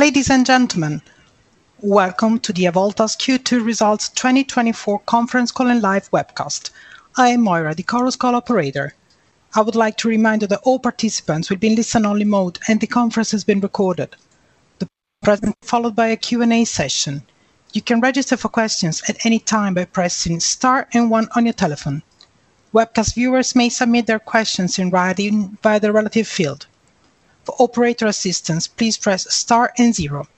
Ladies and gentlemen, welcome to Avolta's Q2 2024 Results conference call and live webcast. I am Moira, the Chorus Call operator. I would like to remind you that all participants will be in listen-only mode, and the conference is being recorded. This will be followed by a Q&A session. You can register for questions at any time by pressing star and one on your telephone. Webcast viewers may submit their questions in writing via the relative field. For operator assistance, please press star and zero.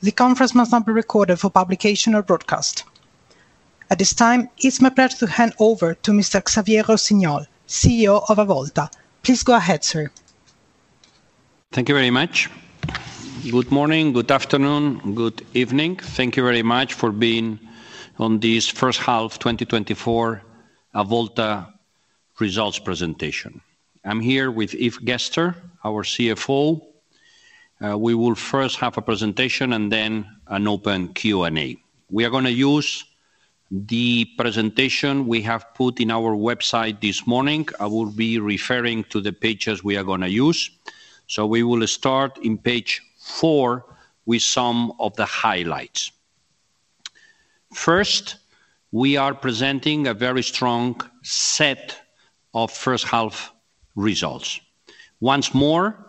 The conference must not be recorded for publication or broadcast. At this time, it's my pleasure to hand over to Mr. Xavier Rossinyol, CEO of Avolta. Please go ahead, sir. Thank you very much. Good morning, good afternoon, good evening. Thank you very much for being on this first half 2024 Avolta results presentation. I'm here with Yves Gerster, our CFO. We will first have a presentation and then an open Q&A. We are gonna use the presentation we have put in our website this morning. I will be referring to the pages we are gonna use, so we will start on page 4 with some of the highlights. First, we are presenting a very strong set of first half results. Once more,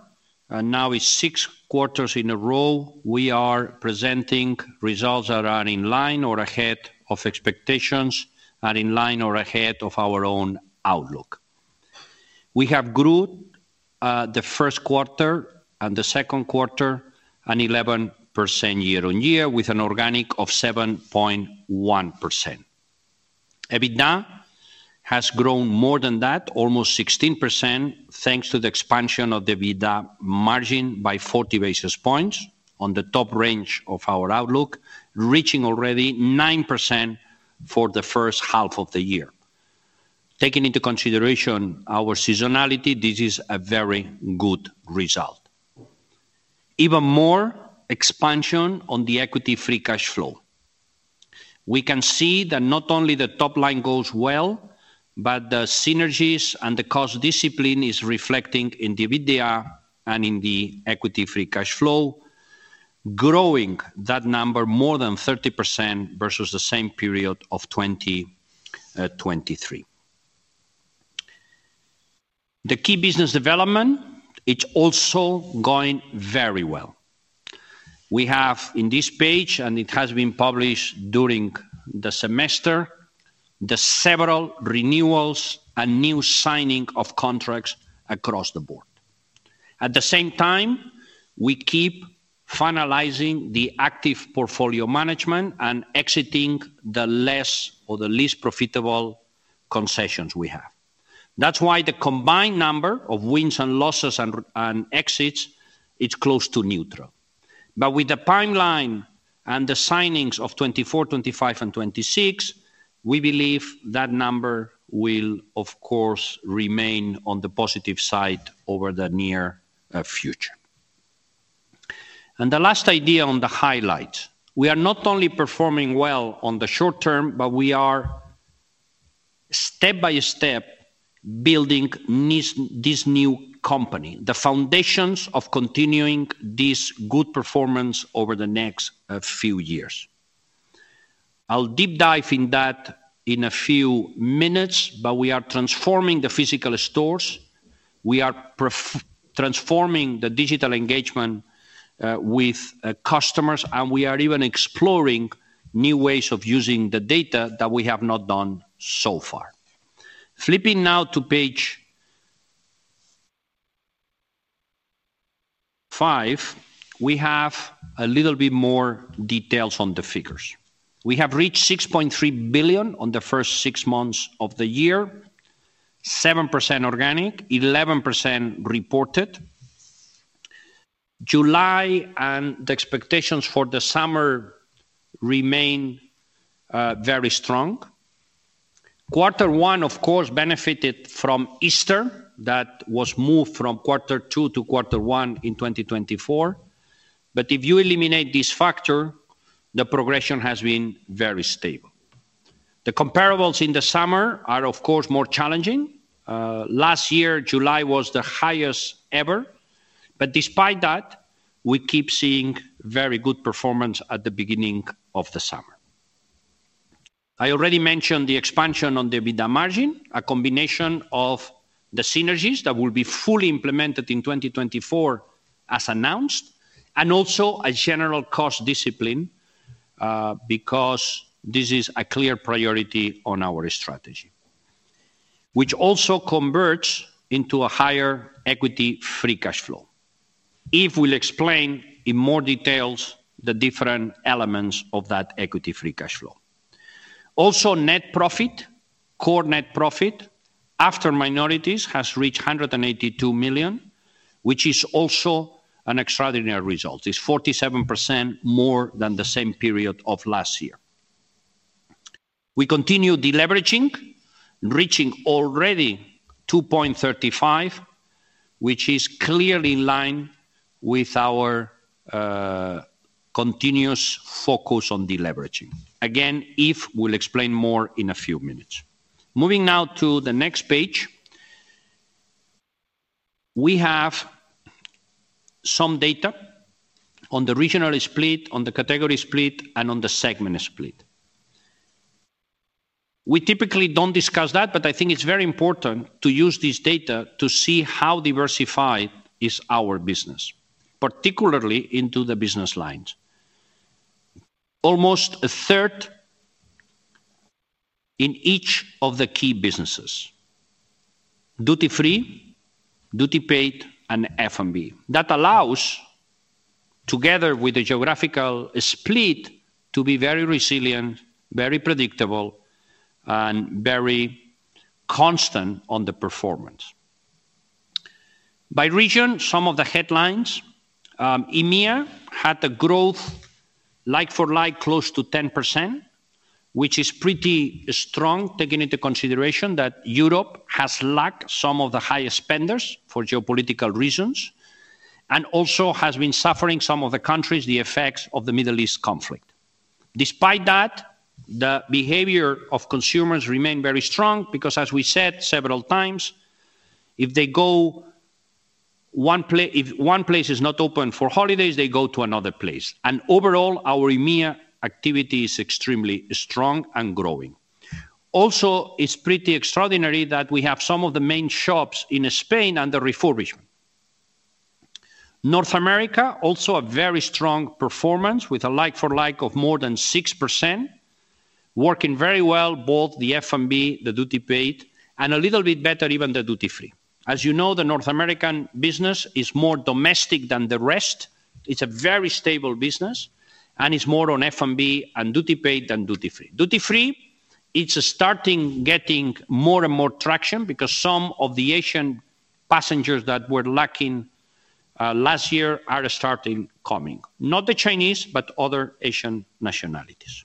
and now it's 6 quarters in a row, we are presenting results that are in line or ahead of expectations and in line or ahead of our own outlook. We have grew the first quarter and the second quarter an 11% year-on-year, with an organic of 7.1%. EBITDA has grown more than that, almost 16%, thanks to the expansion of the EBITDA margin by 40 basis points on the top range of our outlook, reaching already 9% for the first half of the year. Taking into consideration our seasonality, this is a very good result. Even more expansion on the equity free cash flow. We can see that not only the top line goes well, but the synergies and the cost discipline is reflecting in the EBITDA and in the equity free cash flow, growing that number more than 30% versus the same period of twenty, twenty-three. The key business development, it's also going very well. We have in this page, and it has been published during the semester, the several renewals and new signing of contracts across the board. At the same time, we keep finalizing the active portfolio management and exiting the less or the least profitable concessions we have. That's why the combined number of wins and losses and, and exits, it's close to neutral. But with the timeline and the signings of 2024, 2025, and 2026, we believe that number will, of course, remain on the positive side over the near future. And the last idea on the highlights: we are not only performing well on the short term, but we are step by step building this, this new company, the foundations of continuing this good performance over the next few years. I'll deep dive in that in a few minutes, but we are transforming the physical stores, we are transforming the digital engagement with customers, and we are even exploring new ways of using the data that we have not done so far. Flipping now to page five, we have a little bit more details on the figures. We have reached 6.3 billion on the first six months of the year, 7% organic, 11% reported. July and the expectations for the summer remain very strong. Quarter one, of course, benefited from Easter. That was moved from quarter two to quarter one in 2024. But if you eliminate this factor, the progression has been very stable. The comparables in the summer are, of course, more challenging. Last year, July was the highest ever, but despite that, we keep seeing very good performance at the beginning of the summer. I already mentioned the expansion on the EBITDA margin, a combination of the synergies that will be fully implemented in 2024, as announced, and also a general cost discipline, because this is a clear priority on our strategy, which also converts into a higher equity free cash flow. Yves will explain in more details the different elements of that equity free cash flow. Also, net profit, core net profit, after minorities, has reached 182 million, which is also an extraordinary result. It's 47% more than the same period of last year. We continue deleveraging, reaching already 2.35, which is clearly in line with our, continuous focus on deleveraging. Again, Yves will explain more in a few minutes. Moving now to the next page. We have some data on the regional split, on the category split, and on the segment split. We typically don't discuss that, but I think it's very important to use this data to see how diversified is our business, particularly into the business lines. Almost a third in each of the key businesses: duty free, duty paid, and F&B. That allows, together with the geographical split, to be very resilient, very predictable, and very constant on the performance. By region, some of the headlines, EMEA had a growth like-for-like close to 10%, which is pretty strong, taking into consideration that Europe has lacked some of the highest spenders for geopolitical reasons, and also has been suffering, some of the countries, the effects of the Middle East conflict. Despite that, the behavior of consumers remain very strong because, as we said several times, if one place is not open for holidays, they go to another place. Overall, our EMEA activity is extremely strong and growing. Also, it's pretty extraordinary that we have some of the main shops in Spain under refurbishment. North America, also a very strong performance, with a like-for-like of more than 6%, working very well, both the F&B, the duty paid, and a little bit better, even the duty free. As you know, the North American business is more domestic than the rest. It's a very stable business, and it's more on F&B and duty paid than duty free. Duty free, it's starting getting more and more traction because some of the Asian passengers that were lacking last year are starting coming. Not the Chinese, but other Asian nationalities.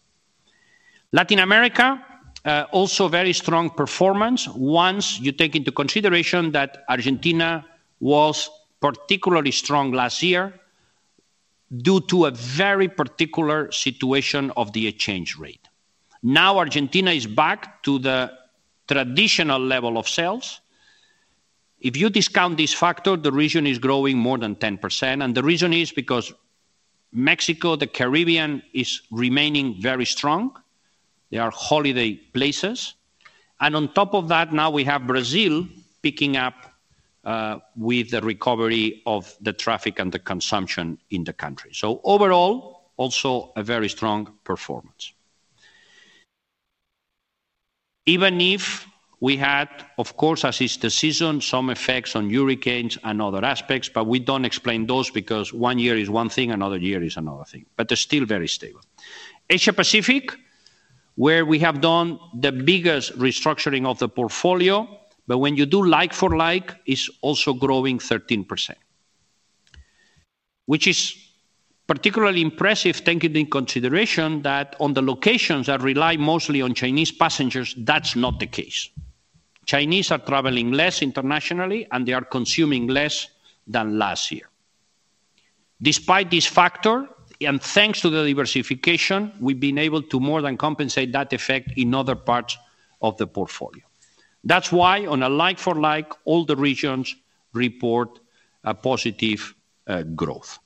Latin America, also very strong performance, once you take into consideration that Argentina was particularly strong last year due to a very particular situation of the exchange rate. Now, Argentina is back to the traditional level of sales. If you discount this factor, the region is growing more than 10%, and the reason is because Mexico, the Caribbean is remaining very strong. They are holiday places, and on top of that, now we have Brazil picking up, with the recovery of the traffic and the consumption in the country. So overall, also a very strong performance. Even if we had, of course, as is the season, some effects on hurricanes and other aspects, but we don't explain those because one year is one thing, another year is another thing, but they're still very stable. Asia-Pacific, where we have done the biggest restructuring of the portfolio, but when you do like-for-like, it's also growing 13%, which is particularly impressive, taking into consideration that on the locations that rely mostly on Chinese passengers, that's not the case. Chinese are traveling less internationally, and they are consuming less than last year. Despite this factor, and thanks to the diversification, we've been able to more than compensate that effect in other parts of the portfolio. That's why on a like-for-like, all the regions report a positive growth.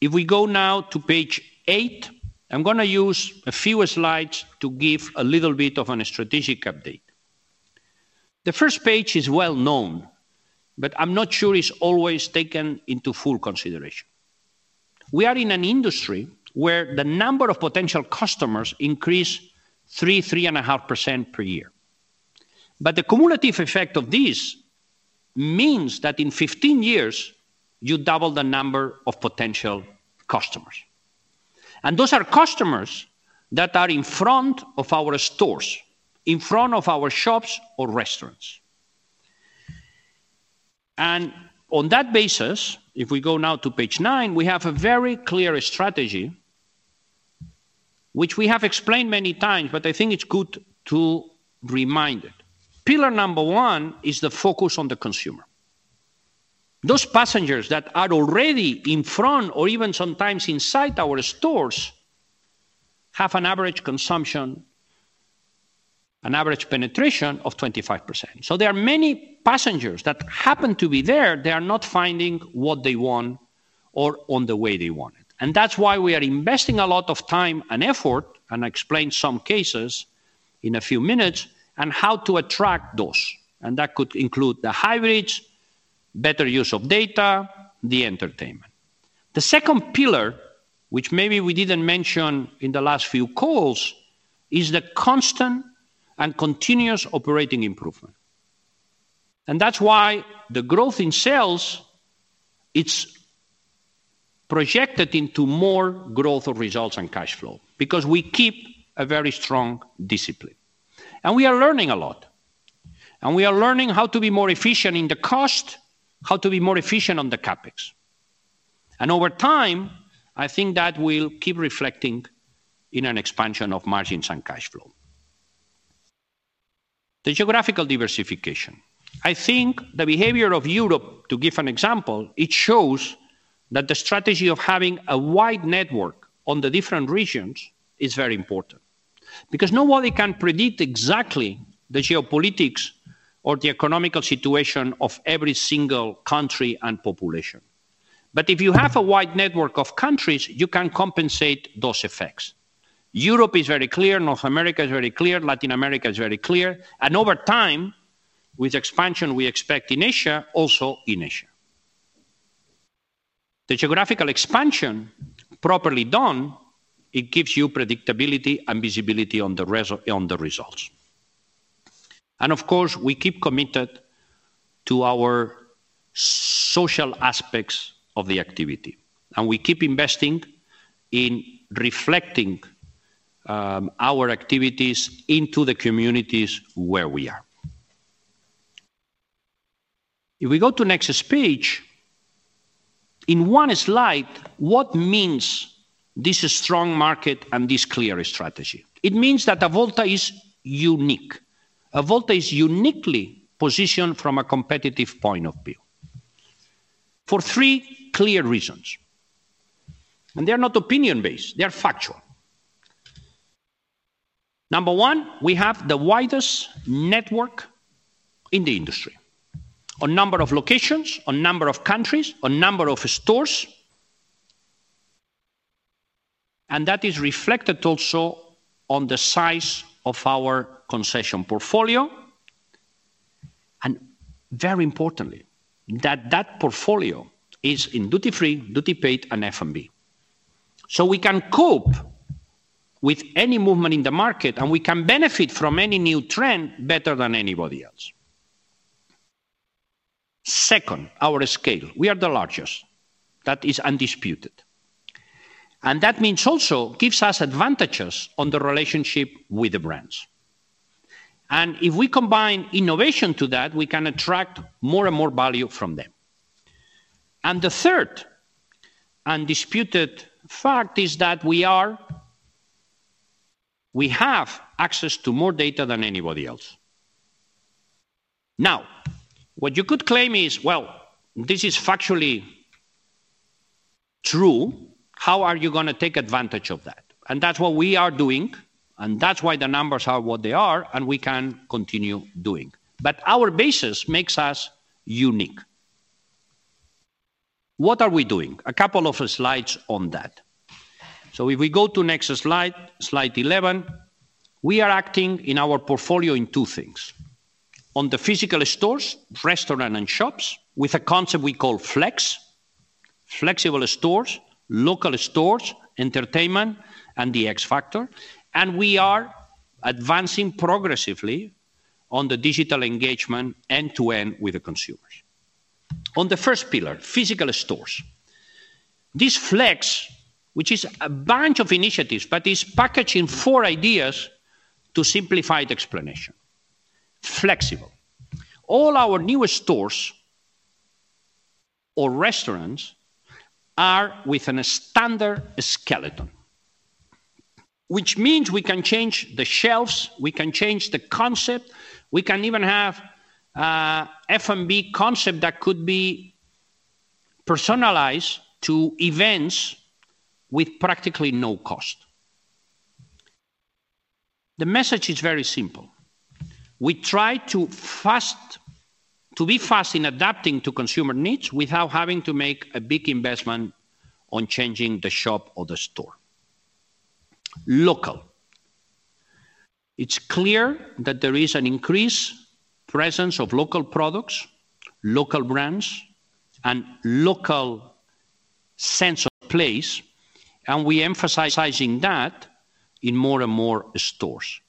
If we go now to page 8, I'm gonna use a few slides to give a little bit of a strategic update. The first page is well known, but I'm not sure it's always taken into full consideration. We are in an industry where the number of potential customers increase 3-3.5% per year. But the cumulative effect of this means that in 15 years, you double the number of potential customers, and those are customers that are in front of our stores, in front of our shops or restaurants. And on that basis, if we go now to page 9, we have a very clear strategy, which we have explained many times, but I think it's good to remind it. Pillar number one is the focus on the consumer. Those passengers that are already in front or even sometimes inside our stores, have an average consumption, an average penetration of 25%. So there are many passengers that happen to be there, they are not finding what they want or on the way they want it. And that's why we are investing a lot of time and effort, and I'll explain some cases in a few minutes, on how to attract those. That could include the hybrids, better use of data, the entertainment. The second pillar, which maybe we didn't mention in the last few calls, is the constant and continuous operating improvement. That's why the growth in sales, it's projected into more growth of results and cash flow, because we keep a very strong discipline. We are learning a lot, and we are learning how to be more efficient in the cost, how to be more efficient on the CapEx. Over time, I think that will keep reflecting in an expansion of margins and cash flow. The geographical diversification. I think the behavior of Europe, to give an example, it shows that the strategy of having a wide network on the different regions is very important... because nobody can predict exactly the geopolitics or the economic situation of every single country and population. But if you have a wide network of countries, you can compensate those effects. Europe is very clear, North America is very clear, Latin America is very clear, and over time, with expansion we expect in Asia, also in Asia. The geographical expansion, properly done, it gives you predictability and visibility on the results. And of course, we keep committed to our social aspects of the activity, and we keep investing in reflecting our activities into the communities where we are. If we go to next page, in one slide, what means this strong market and this clear strategy? It means that Avolta is unique. Avolta is uniquely positioned from a competitive point of view, for three clear reasons, and they are not opinion-based, they are factual. Number one, we have the widest network in the industry. On number of locations, on number of countries, on number of stores. And that is reflected also on the size of our concession portfolio, and very importantly, that that portfolio is in duty-free, duty paid, and F&B. So we can cope with any movement in the market, and we can benefit from any new trend better than anybody else. Second, our scale. We are the largest. That is undisputed. And that means also gives us advantages on the relationship with the brands. And if we combine innovation to that, we can attract more and more value from them. And the third undisputed fact is that we are, we have access to more data than anybody else. Now, what you could claim is, well, this is factually true, how are you gonna take advantage of that? That's what we are doing, and that's why the numbers are what they are, and we can continue doing. But our basis makes us unique. What are we doing? A couple of slides on that. So if we go to next slide, slide 11, we are acting in our portfolio in two things. On the physical stores, restaurant, and shops, with a concept we call FLEX: flexible stores, local stores, entertainment, and the X-factor. And we are advancing progressively on the digital engagement end-to-end with the consumers. On the first pillar, physical stores. This FLEX, which is a bunch of initiatives, but is packaging four ideas to simplify the explanation. Flexible. All our newer stores or restaurants are with a standard skeleton, which means we can change the shelves, we can change the concept, we can even have F&B concept that could be personalized to events with practically no cost. The message is very simple: We try to be fast in adapting to consumer needs without having to make a big investment on changing the shop or the store. Local. It's clear that there is an increased presence of local products, local brands, and local sense of place, and we emphasizing that in more and more stores.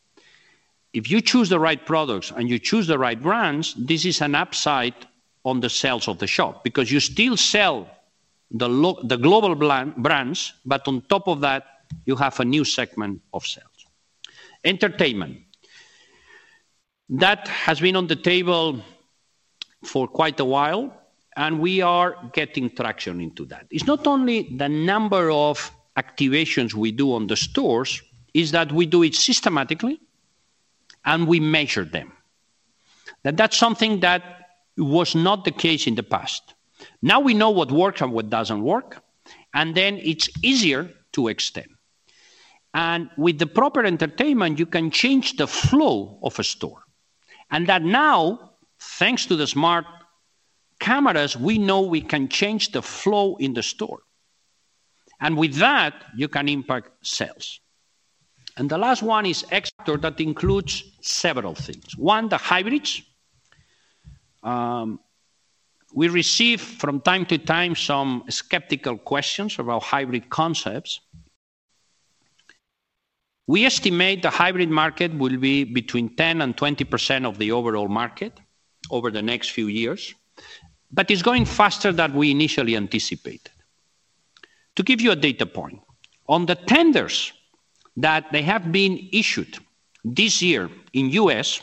If you choose the right products and you choose the right brands, this is an upside on the sales of the shop, because you still sell the global brands, but on top of that, you have a new segment of sales. Entertainment. That has been on the table for quite a while, and we are getting traction into that. It's not only the number of activations we do on the stores, is that we do it systematically, and we measure them. That, that's something that was not the case in the past. Now, we know what works and what doesn't work, and then it's easier to extend. And with the proper entertainment, you can change the flow of a store. And that now, thanks to the smart cameras, we know we can change the flow in the store, and with that, you can impact sales. And the last one is X factor that includes several things. One, the hybrids. We receive from time to time some skeptical questions about hybrid concepts. We estimate the hybrid market will be between 10% and 20% of the overall market over the next few years, but it's going faster than we initially anticipated. To give you a data point, on the tenders that they have been issued this year in the U.S.,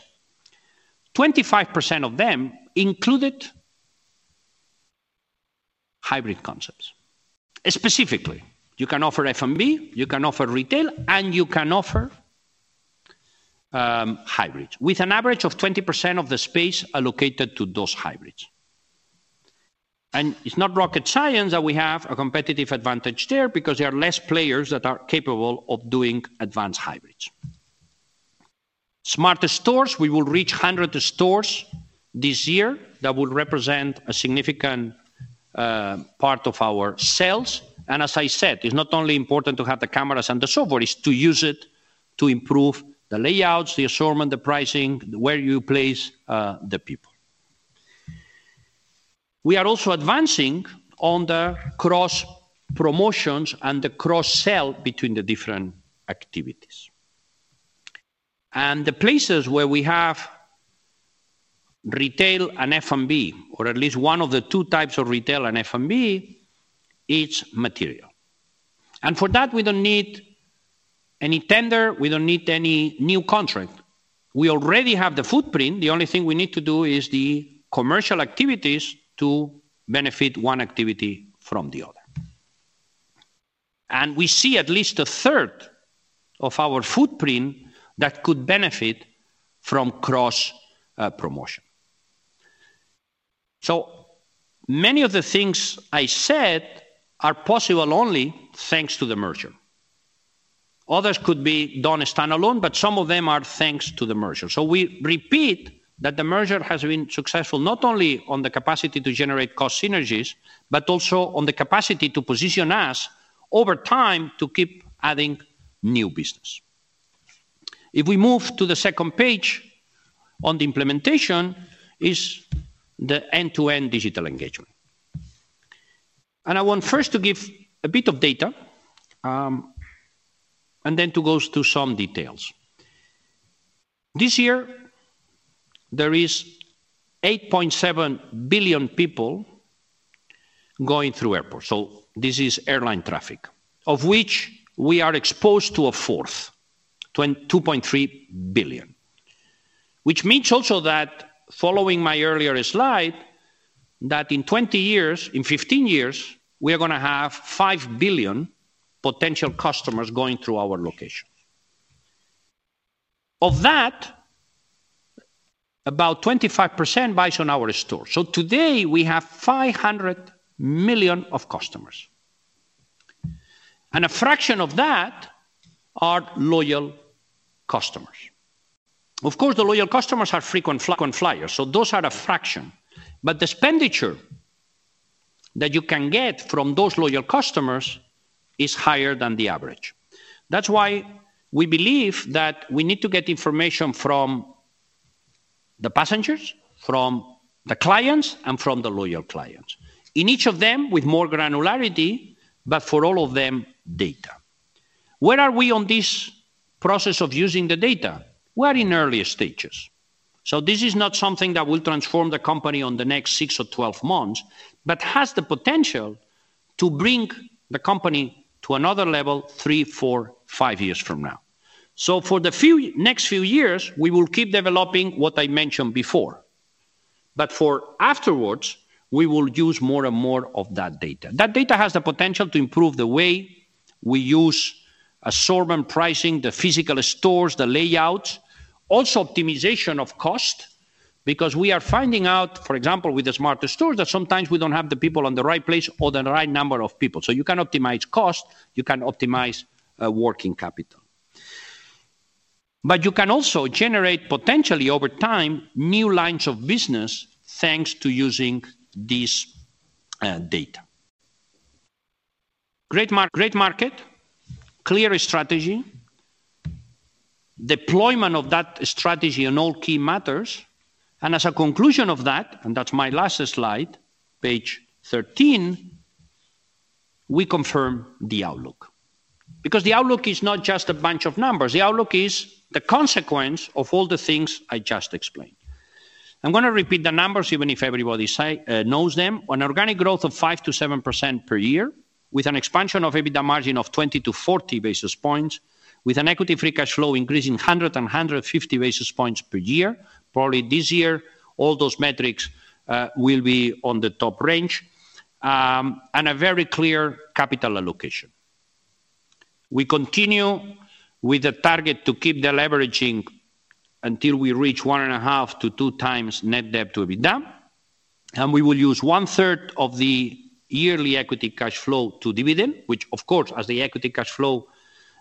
25% of them included hybrid concepts. Specifically, you can offer F&B, you can offer retail, and you can offer hybrids, with an average of 20% of the space allocated to those hybrids, and it's not rocket science that we have a competitive advantage there, because there are less players that are capable of doing advanced hybrids. Smarter Stores, we will reach 100 stores this year. That would represent a significant part of our sales. As I said, it's not only important to have the cameras and the software, is to use it to improve the layouts, the assortment, the pricing, where you place the people. We are also advancing on the cross-promotions and the cross-sell between the different activities. And the places where we have retail and F&B, or at least one of the two types of retail and F&B, it's material. And for that, we don't need any tender, we don't need any new contract. We already have the footprint. The only thing we need to do is the commercial activities to benefit one activity from the other. And we see at least a third of our footprint that could benefit from cross promotion. So many of the things I said are possible only thanks to the merger. Others could be done standalone, but some of them are thanks to the merger. We repeat that the merger has been successful, not only on the capacity to generate cost synergies, but also on the capacity to position us over time to keep adding new business. If we move to the second page on the implementation, is the end-to-end digital engagement. I want first to give a bit of data, and then to go through some details. This year, there is 8.7 billion people going through airports, so this is airline traffic, of which we are exposed to a fourth, 22.3 billion. Which means also that, following my earlier slide, that in 20 years—in 15 years, we are gonna have 5 billion potential customers going through our location. Of that, about 25% buys on our store. Today we have 500 million of customers, and a fraction of that are loyal customers. Of course, the loyal customers are frequent flyers, so those are a fraction. But the expenditure that you can get from those loyal customers is higher than the average. That's why we believe that we need to get information from the passengers, from the clients, and from the loyal clients. In each of them with more granularity, but for all of them, data. Where are we on this process of using the data? We're in early stages, so this is not something that will transform the company on the next 6 or 12 months, but has the potential to bring the company to another level, 3, 4, 5 years from now. So for the next few years, we will keep developing what I mentioned before, but for afterwards, we will use more and more of that data. That data has the potential to improve the way we use assortment pricing, the physical stores, the layouts, also optimization of cost, because we are finding out, for example, with the Smarter Stores, that sometimes we don't have the people on the right place or the right number of people. So you can optimize cost, you can optimize working capital. But you can also generate, potentially over time, new lines of business, thanks to using this data. Great market, clear strategy, deployment of that strategy on all key matters, and as a conclusion of that, and that's my last slide, page 13, we confirm the outlook. Because the outlook is not just a bunch of numbers, the outlook is the consequence of all the things I just explained. I'm gonna repeat the numbers, even if everybody say, knows them. An organic growth of 5%-7% per year, with an expansion of EBITDA margin of 20-40 basis points, with an equity free cash flow increasing 100-150 basis points per year. Probably this year, all those metrics will be on the top range, and a very clear capital allocation. We continue with the target to keep the leverage until we reach 1.5-2 times net debt to EBITDA, and we will use one-third of the yearly equity cash flow to dividend, which of course, as the equity cash flow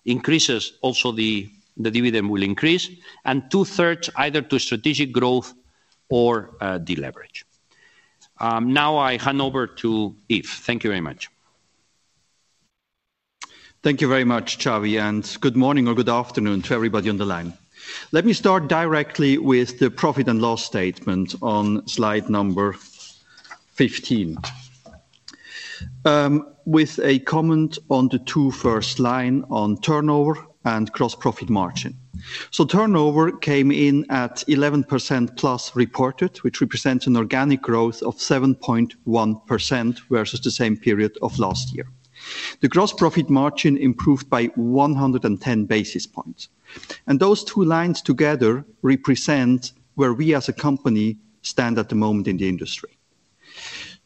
increases, also the dividend will increase, and two-thirds either to strategic growth or deleverage. Now I hand over to Yves. Thank you very much. Thank you very much, Xavi, and good morning or good afternoon to everybody on the line. Let me start directly with the profit and loss statement on slide number 15, with a comment on the two first lines on turnover and gross profit margin. So turnover came in at 11% plus reported, which represents an organic growth of 7.1% versus the same period of last year. The gross profit margin improved by 110 basis points, and those two lines together represent where we, as a company, stand at the moment in the industry.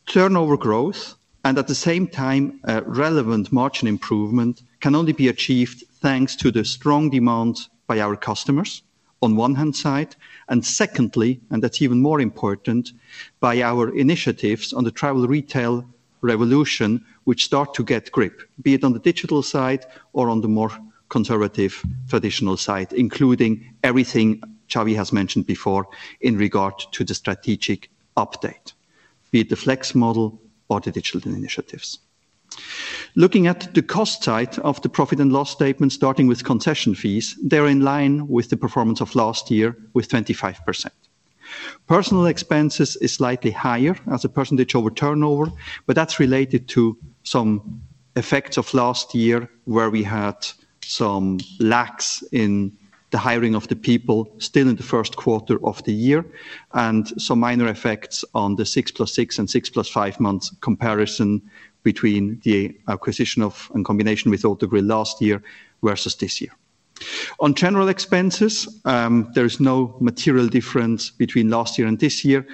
Turnover growth, and at the same time, a relevant margin improvement, can only be achieved thanks to the strong demand by our customers. On one hand side, and secondly, and that's even more important, by our initiatives on the travel retail revolution, which start to get grip, be it on the digital side or on the more conservative traditional side, including everything Xavi has mentioned before in regard to the strategic update, be it the flex model or the digital initiatives. Looking at the cost side of the profit and loss statement, starting with concession fees, they're in line with the performance of last year with 25%. Personal expenses is slightly higher as a percentage over turnover, but that's related to some effects of last year, where we had some lacks in the hiring of the people still in the first quarter of the year, and some minor effects on the six plus six and six plus five months comparison between the acquisition of, in combination with Autogrill last year versus this year. On general expenses, there is no material difference between last year and this year,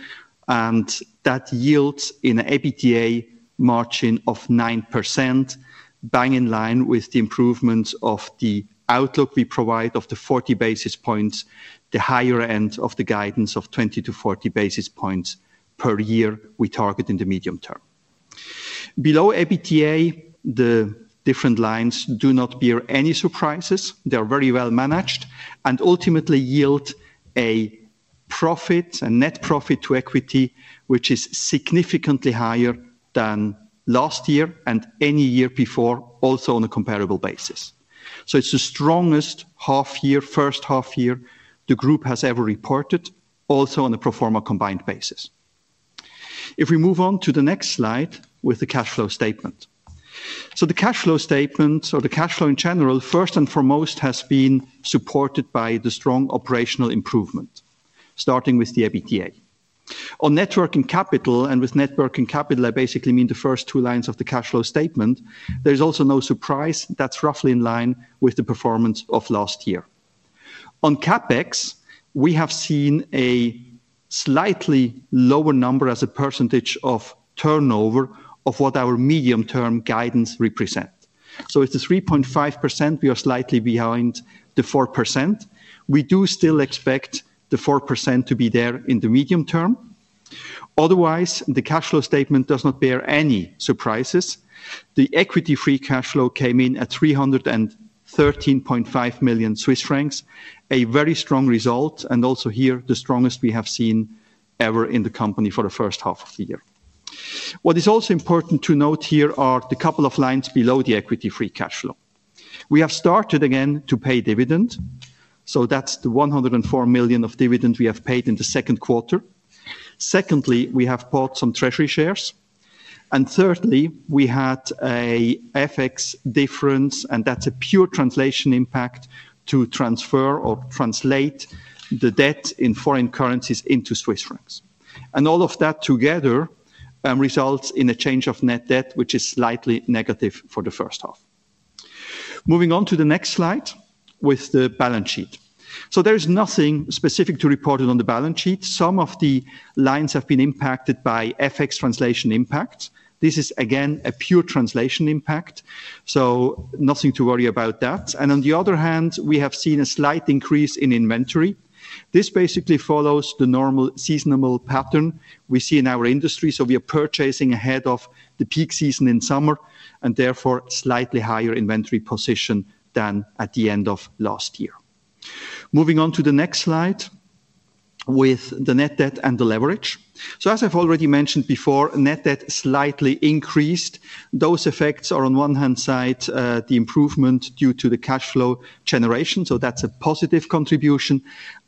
and that yields an EBITDA margin of 9%, bang in line with the improvements of the outlook we provide of the 40 basis points, the higher end of the guidance of 20-40 basis points per year we target in the medium term. Below EBITDA, the different lines do not bear any surprises. They are very well managed, and ultimately yield a profit, a net profit to equity, which is significantly higher than last year and any year before, also on a comparable basis. So it's the strongest half year, first half year, the group has ever reported, also on a pro forma combined basis. If we move on to the next slide with the cash flow statement. So the cash flow statement, or the cash flow in general, first and foremost, has been supported by the strong operational improvement, starting with the EBITDA. On net working capital, and with net working capital, I basically mean the first two lines of the cash flow statement, there's also no surprise. That's roughly in line with the performance of last year. On CapEx, we have seen a slightly lower number as a percentage of turnover of what our medium-term guidance represent. So it's a 3.5%, we are slightly behind the 4%. We do still expect the 4% to be there in the medium term. Otherwise, the cash flow statement does not bear any surprises. The equity free cash flow came in at 313.5 million Swiss francs, a very strong result, and also here, the strongest we have seen ever in the company for the first half of the year. What is also important to note here are the couple of lines below the equity free cash flow. We have started again to pay dividend, so that's the 104 million of dividend we have paid in the second quarter. Secondly, we have bought some treasury shares. And thirdly, we had a FX difference, and that's a pure translation impact to transfer or translate the debt in foreign currencies into Swiss francs. And all of that together results in a change of net debt, which is slightly negative for the first half. Moving on to the next slide with the balance sheet. So there is nothing specific to report on the balance sheet. Some of the lines have been impacted by FX translation impact. This is, again, a pure translation impact, so nothing to worry about that. And on the other hand, we have seen a slight increase in inventory. This basically follows the normal seasonal pattern we see in our industry, so we are purchasing ahead of the peak season in summer, and therefore, slightly higher inventory position than at the end of last year. Moving on to the next slide with the net debt and the leverage. So as I've already mentioned before, net debt slightly increased. Those effects are, on one hand side, the improvement due to the cash flow generation, so that's a positive contribution.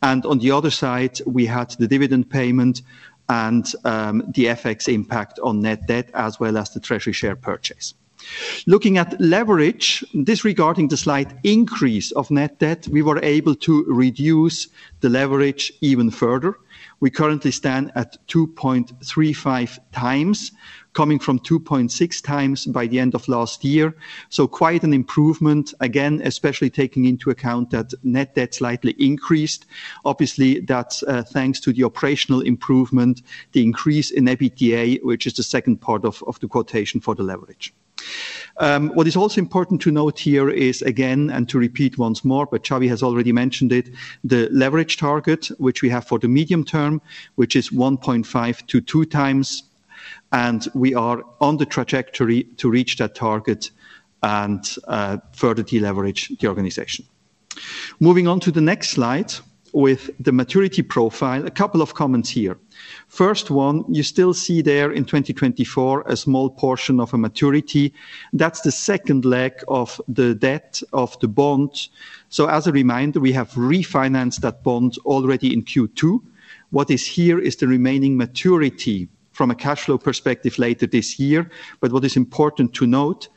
And on the other side, we had the dividend payment and, the FX impact on net debt, as well as the treasury share purchase. Looking at leverage, disregarding the slight increase of net debt, we were able to reduce the leverage even further. We currently stand at 2.35 times, coming from 2.6 times by the end of last year. So quite an improvement, again, especially taking into account that net debt slightly increased. Obviously, that's, thanks to the operational improvement, the increase in EBITDA, which is the second part of the quotation for the leverage. What is also important to note here is, again, and to repeat once more, but Xavi has already mentioned it, the leverage target, which we have for the medium term, which is 1.5-2 times, and we are on the trajectory to reach that target and, further deleverage the organization. Moving on to the next slide with the maturity profile. A couple of comments here. First one, you still see there in 2024, a small portion of a maturity. That's the second leg of the debt of the bond. So as a reminder, we have refinanced that bond already in Q2. What is here is the remaining maturity from a cash flow perspective later this year. But what is important to note,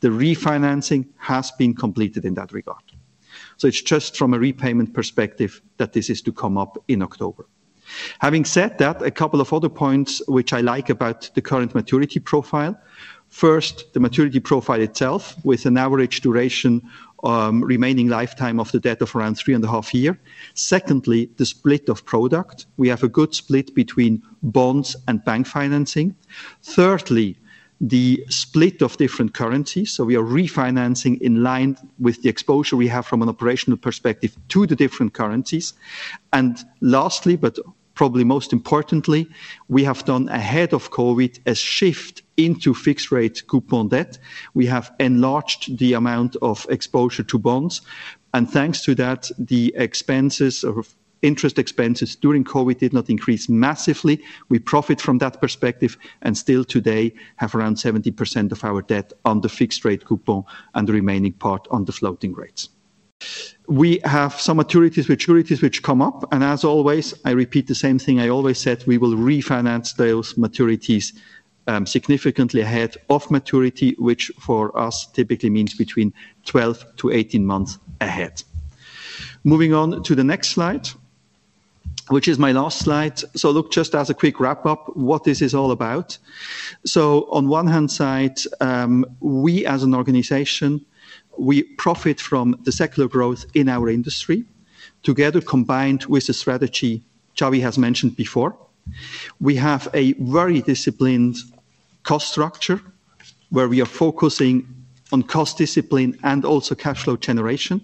the refinancing has been completed in that regard. So it's just from a repayment perspective that this is to come up in October. Having said that, a couple of other points which I like about the current maturity profile. First, the maturity profile itself, with an average duration, remaining lifetime of the debt of around three and a half years. Secondly, the split of product. We have a good split between bonds and bank financing. Thirdly, the split of different currencies. So we are refinancing in line with the exposure we have from an operational perspective to the different currencies. And lastly, but probably most importantly, we have done ahead of COVID, a shift into fixed rate coupon debt. We have enlarged the amount of exposure to bonds, and thanks to that, the expenses or interest expenses during COVID did not increase massively. We profit from that perspective, and still today have around 70% of our debt on the fixed rate coupon and the remaining part on the floating rates. We have some maturities, maturities which come up, and as always, I repeat the same thing I always said, we will refinance those maturities, significantly ahead of maturity, which for us typically means between 12-18 months ahead. Moving on to the next slide, which is my last slide. So look, just as a quick wrap-up, what this is all about. So on one hand side, we as an organization, we profit from the secular growth in our industry, together combined with the strategy Xavi has mentioned before. We have a very disciplined cost structure, where we are focusing on cost discipline and also cash flow generation.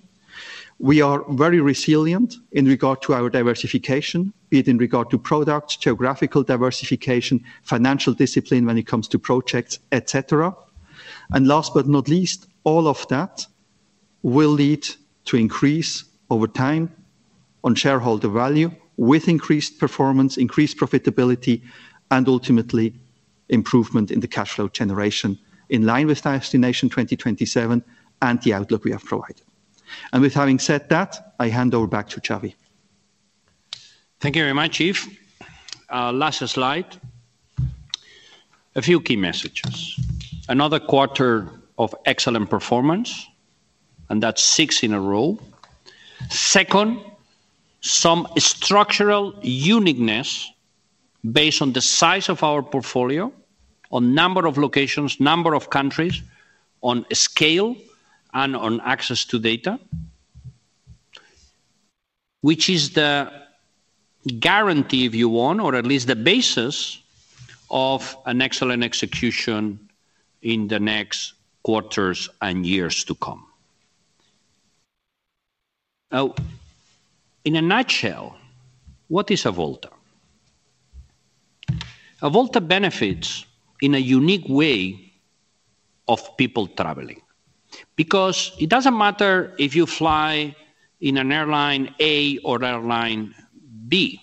We are very resilient in regard to our diversification, be it in regard to product, geographical diversification, financial discipline when it comes to projects, et cetera. Last but not least, all of that will lead to increase over time on shareholder value, with increased performance, increased profitability, and ultimately improvement in the cash flow generation, in line with Destination 2027 and the outlook we have provided. With having said that, I hand over back to Xavi. Thank you very much, Chief. Last slide. A few key messages. Another quarter of excellent performance, and that's six in a row. Second, some structural uniqueness based on the size of our portfolio, on number of locations, number of countries, on scale, and on access to data, which is the guarantee, if you want, or at least the basis of an excellent execution in the next quarters and years to come. Now, in a nutshell, what is Avolta? Avolta benefits in a unique way of people traveling, because it doesn't matter if you fly in an airline A or airline B.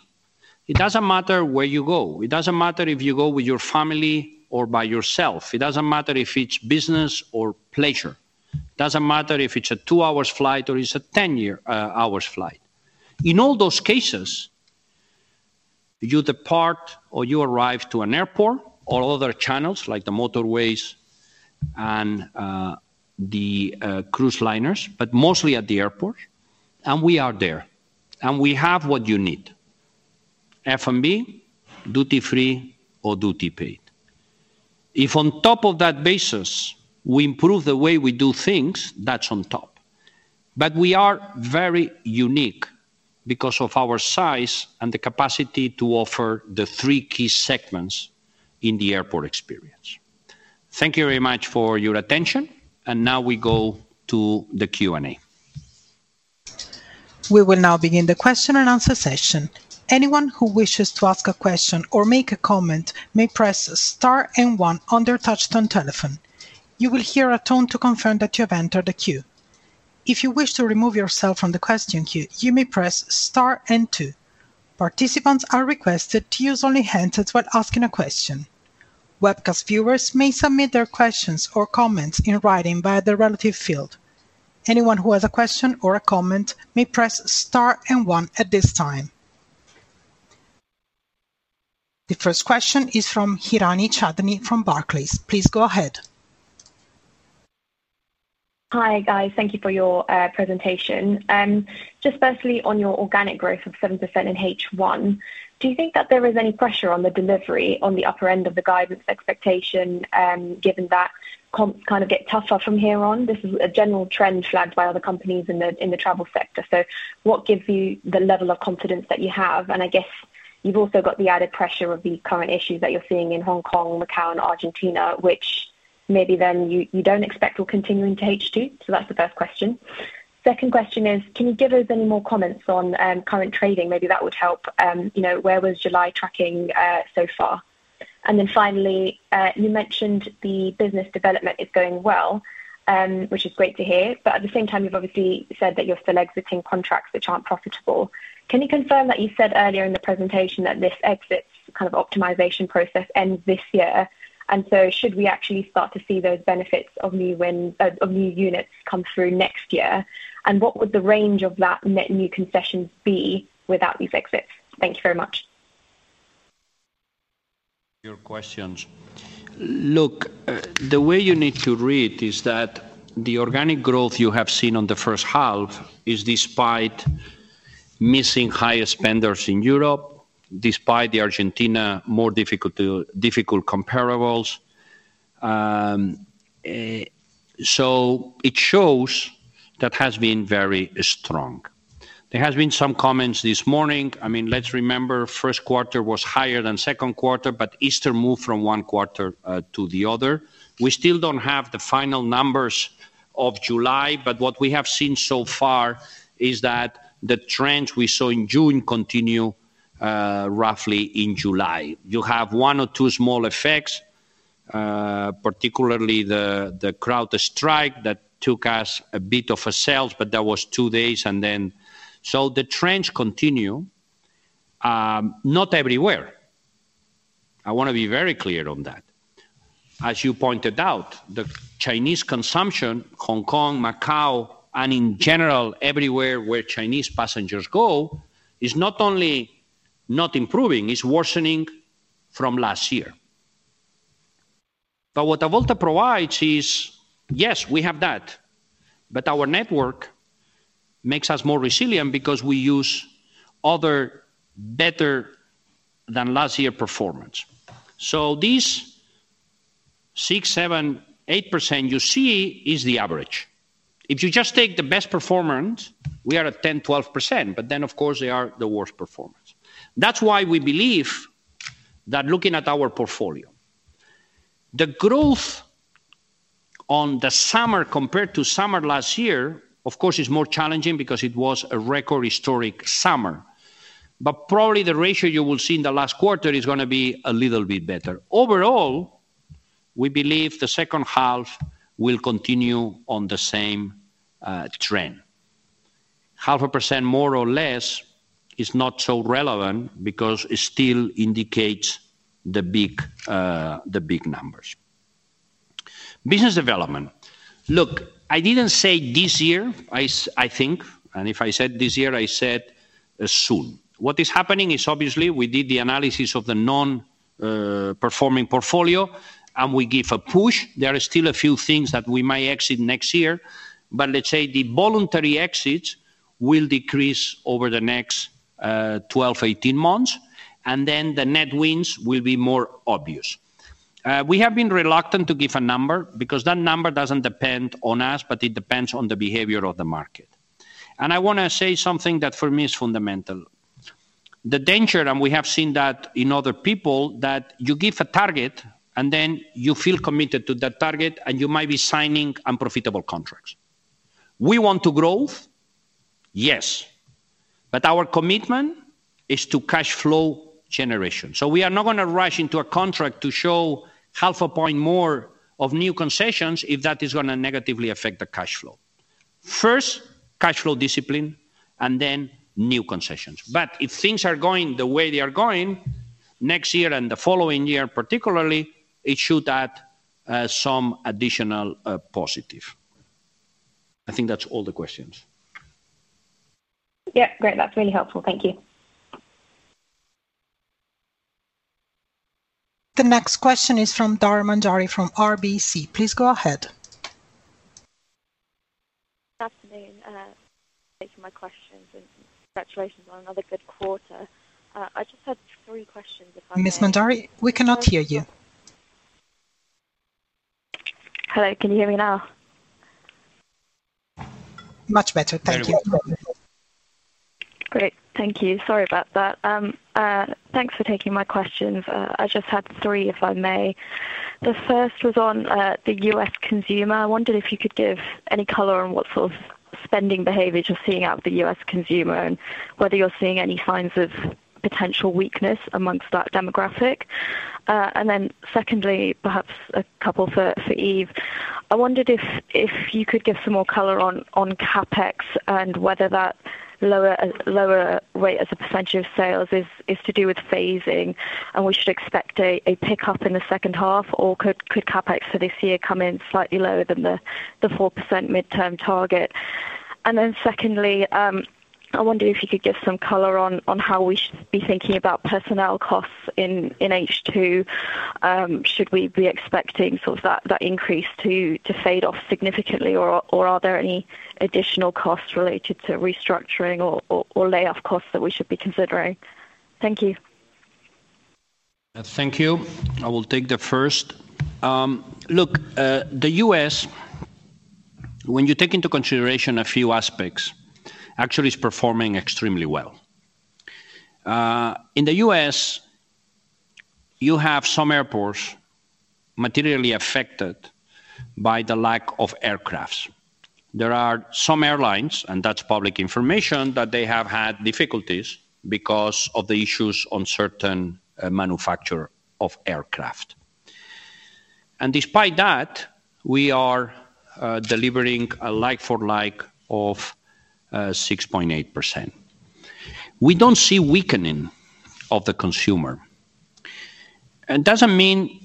It doesn't matter where you go. It doesn't matter if you go with your family or by yourself. It doesn't matter if it's business or pleasure. It doesn't matter if it's a two hours flight or it's a ten year, hours flight. In all those cases, you depart or you arrive to an airport or other channels, like the motorways and the cruise liners, but mostly at the airport, and we are there, and we have what you need: F&B, duty-free or duty paid. If on top of that basis, we improve the way we do things, that's on top. But we are very unique because of our size and the capacity to offer the three key segments in the airport experience. Thank you very much for your attention, and now we go to the Q&A. We will now begin the question and answer session. Anyone who wishes to ask a question or make a comment may press star and one on their touchtone telephone. You will hear a tone to confirm that you have entered a queue. If you wish to remove yourself from the question queue, you may press star and two. Participants are requested to use only handsets while asking a question. Webcast viewers may submit their questions or comments in writing via the relative field. Anyone who has a question or a comment may press star and one at this time. The first question is from Chandni Hirani from Barclays. Please go ahead. Hi, guys. Thank you for your presentation. Just firstly, on your organic growth of 7% in H1, do you think that there is any pressure on the delivery on the upper end of the guidance expectation, given that comps kind of get tougher from here on? This is a general trend flagged by other companies in the travel sector. So what gives you the level of confidence that you have? And I guess you've also got the added pressure of the current issues that you're seeing in Hong Kong, Macau, and Argentina, which maybe then you don't expect will continue into H2. So that's the first question. Second question is, can you give us any more comments on current trading? Maybe that would help. You know, where was July tracking so far? And then finally, you mentioned the business development is going well, which is great to hear, but at the same time you've obviously said that you're still exiting contracts which aren't profitable. Can you confirm that you said earlier in the presentation that this exit kind of optimization process ends this year, and so should we actually start to see those benefits of new units come through next year? And what would the range of that net new concessions be without these exits? Thank you very much. Your questions. Look, the way you need to read is that the organic growth you have seen on the first half is despite missing higher spenders in Europe, despite the Argentina, more difficult comparables. So it shows that has been very strong. There has been some comments this morning. I mean, let's remember, first quarter was higher than second quarter, but Easter moved from one quarter to the other. We still don't have the final numbers of July, but what we have seen so far is that the trends we saw in June continue roughly in July. You have one or two small effects, particularly the CrowdStrike, that took us a bit of a sales, but that was two days, and then... So the trends continue. Not everywhere. I want to be very clear on that. As you pointed out, the Chinese consumption, Hong Kong, Macau, and in general, everywhere where Chinese passengers go, is not only not improving, it's worsening from last year. But what Avolta provides is, yes, we have that, but our network makes us more resilient because we use other better than last year performance. So these 6, 7, 8% you see is the average. If you just take the best performance, we are at 10, 12%, but then, of course, they are the worst performers. That's why we believe that looking at our portfolio, the growth on the summer compared to summer last year, of course, is more challenging because it was a record historic summer. But probably the ratio you will see in the last quarter is gonna be a little bit better. Overall, we believe the second half will continue on the same trend. 0.5%, more or less, is not so relevant because it still indicates the big, the big numbers. Business development. Look, I didn't say this year, I think, and if I said this year, I said soon. What is happening is obviously we did the analysis of the non performing portfolio, and we give a push. There are still a few things that we might exit next year, but let's say the voluntary exits will decrease over the next 12, 18 months, and then the net wins will be more obvious. We have been reluctant to give a number, because that number doesn't depend on us, but it depends on the behavior of the market. And I wanna say something that, for me, is fundamental. The danger, and we have seen that in other people, that you give a target, and then you feel committed to that target, and you might be signing unprofitable contracts. We want to growth, yes, but our commitment is to cash flow generation. So we are not gonna rush into a contract to show half a point more of new concessions if that is gonna negatively affect the cash flow. First, cash flow discipline, and then new concessions. But if things are going the way they are going, next year and the following year, particularly, it should add some additional positive. I think that's all the questions. Yeah, great. That's really helpful. Thank you. The next question is from Manjari Dhar from RBC. Please go ahead. Good afternoon, thank you for my questions, and congratulations on another good quarter. I just had three questions, if I may. Miss Manjari, we cannot hear you. Hello, can you hear me now? Much better. Thank you. Very well. Great. Thank you. Sorry about that. Thanks for taking my questions. I just had three, if I may. The first was on the U.S. consumer. I wondered if you could give any color on what sort of spending behaviors you're seeing out of the U.S. consumer, and whether you're seeing any signs of potential weakness among that demographic. And then secondly, perhaps a couple for Yves. I wondered if you could give some more color on CapEx and whether that lower rate as a percentage of sales is to do with phasing, and we should expect a pick-up in the second half, or could CapEx for this year come in slightly lower than the 4% mid-term target? And then secondly, I wonder if you could give some color on how we should be thinking about personnel costs in H2. Should we be expecting sort of that increase to fade off significantly, or are there any additional costs related to restructuring or layoff costs that we should be considering? Thank you. Thank you. I will take the first. Look, the U.S., when you take into consideration a few aspects, actually is performing extremely well. In the U.S., you have some airports materially affected by the lack of aircrafts. There are some airlines, and that's public information, that they have had difficulties because of the issues on certain manufacture of aircraft. And despite that, we are delivering a like-for-like of 6.8%. We don't see weakening of the consumer. It doesn't mean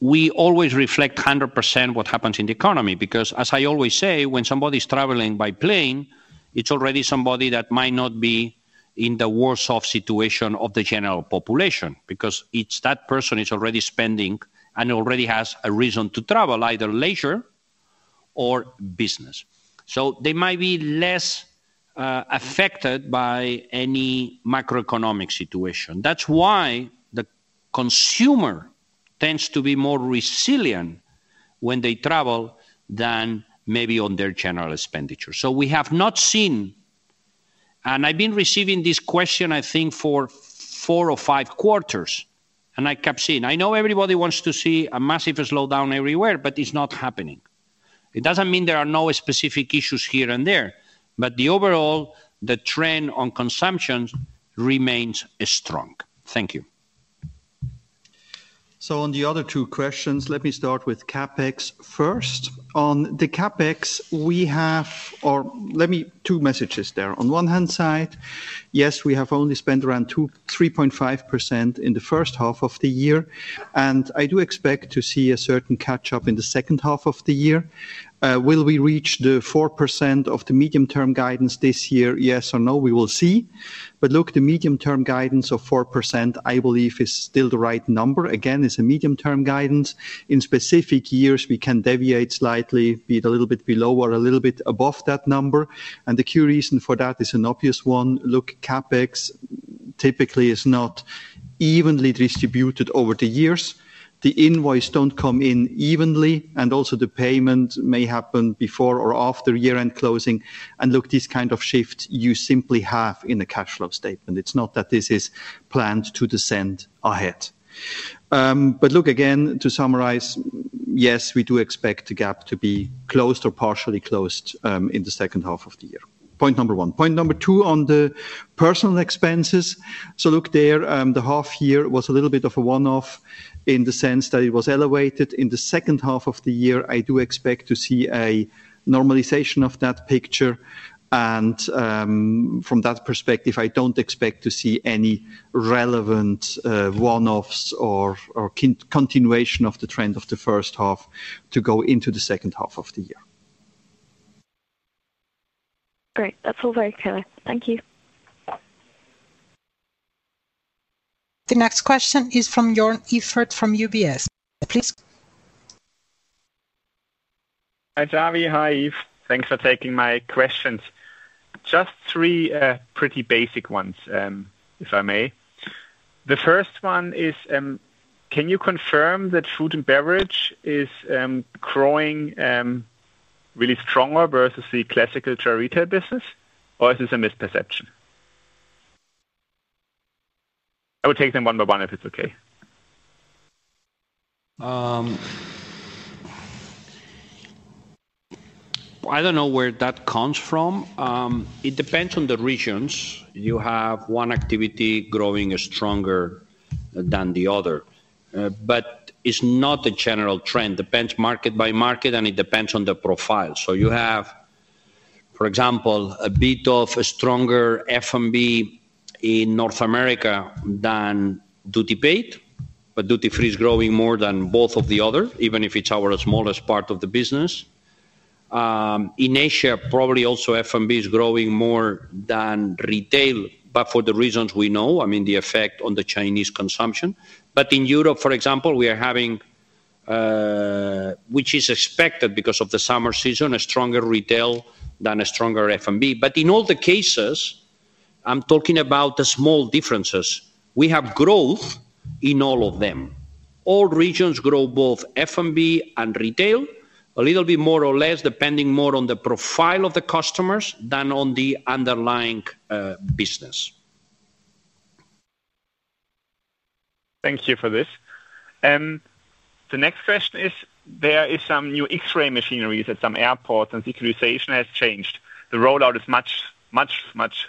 we always reflect 100% what happens in the economy, because as I always say, when somebody's traveling by plane, it's already somebody that might not be in the worst off situation of the general population, because it's that person is already spending and already has a reason to travel, either leisure or business. So they might be less affected by any macroeconomic situation. That's why the consumer tends to be more resilient when they travel than maybe on their general expenditure. So we have not seen, and I've been receiving this question, I think, for four or five quarters, and I kept seeing. I know everybody wants to see a massive slowdown everywhere, but it's not happening. It doesn't mean there are no specific issues here and there, but the overall, the trend on consumption remains strong. Thank you. So on the other two questions, let me start with CapEx first. On the CapEx, we have, or let me, two messages there. On one hand side, yes, we have only spent around 2%-3.5% in the first half of the year, and I do expect to see a certain catch-up in the second half of the year. Will we reach the 4% of the medium-term guidance this year? Yes or no, we will see. But look, the medium-term guidance of 4%, I believe, is still the right number. Again, it's a medium-term guidance. In specific years, we can deviate slightly, be it a little bit below or a little bit above that number, and the key reason for that is an obvious one. Look, CapEx typically is not evenly distributed over the years. The invoice don't come in evenly, and also the payment may happen before or after year-end closing. Look, this kind of shift you simply have in a cash flow statement. It's not that this is planned to descend ahead. But look, again, to summarize, yes, we do expect the gap to be closed or partially closed in the second half of the year. Point number one. Point number two, on the personal expenses. Look, there, the half year was a little bit of a one-off in the sense that it was elevated. In the second half of the year, I do expect to see a normalization of that picture, and from that perspective, I don't expect to see any relevant one-offs or continuation of the trend of the first half to go into the second half of the year. Great. That's all very clear. Thank you. The next question is from Joern Iffert from UBS, please. Hi, Xavier. Hi, Yves. Thanks for taking my questions. Just three pretty basic ones, if I may. The first one is, can you confirm that food and beverage is growing really stronger versus the classical travel retail business, or is this a misperception? I will take them one by one, if it's okay. I don't know where that comes from. It depends on the regions. You have one activity growing stronger than the other, but it's not a general trend. Depends market by market, and it depends on the profile. So you have, for example, a bit of a stronger F&B in North America than duty paid, but duty-free is growing more than both of the other, even if it's our smallest part of the business. In Asia, probably also F&B is growing more than retail, but for the reasons we know, I mean, the effect on the Chinese consumption. But in Europe, for example, we are having, which is expected because of the summer season, a stronger retail than a stronger F&B. But in all the cases, I'm talking about the small differences. We have growth in all of them. All regions grow, both F&B and retail, a little bit more or less, depending more on the profile of the customers than on the underlying business. Thank you for this. The next question is, there is some new X-ray machinery at some airports, and the situation has changed. The rollout is much, much, much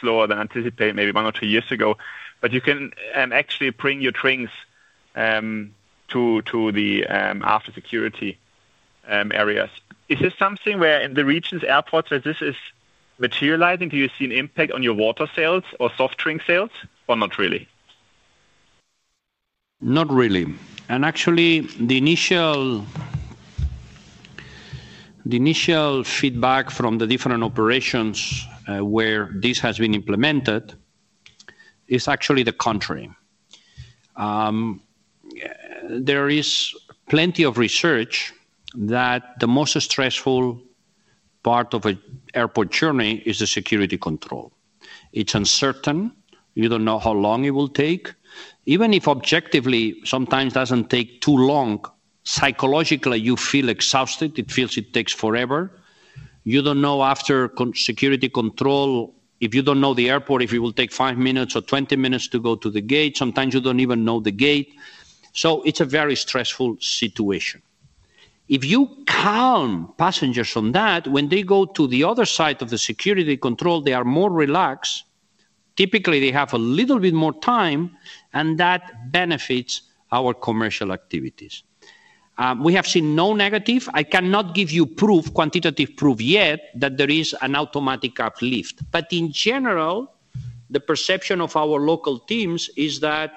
slower than anticipated maybe one or two years ago, but you can actually bring your drinks to the after security areas. Is this something where in the regions, airports, that this is materializing? Do you see an impact on your water sales or soft drink sales, or not really? Not really. And actually, the initial, the initial feedback from the different operations, where this has been implemented is actually the contrary. There is plenty of research that the most stressful part of an airport journey is the security control. It's uncertain. You don't know how long it will take. Even if objectively, sometimes doesn't take too long, psychologically, you feel exhausted. It feels it takes forever. You don't know after security control, if you don't know the airport, if it will take 5 minutes or 20 minutes to go to the gate. Sometimes you don't even know the gate. So it's a very stressful situation. If you calm passengers from that, when they go to the other side of the security control, they are more relaxed. Typically, they have a little bit more time, and that benefits our commercial activities... we have seen no negative. I cannot give you proof, quantitative proof yet, that there is an automatic uplift. But in general, the perception of our local teams is that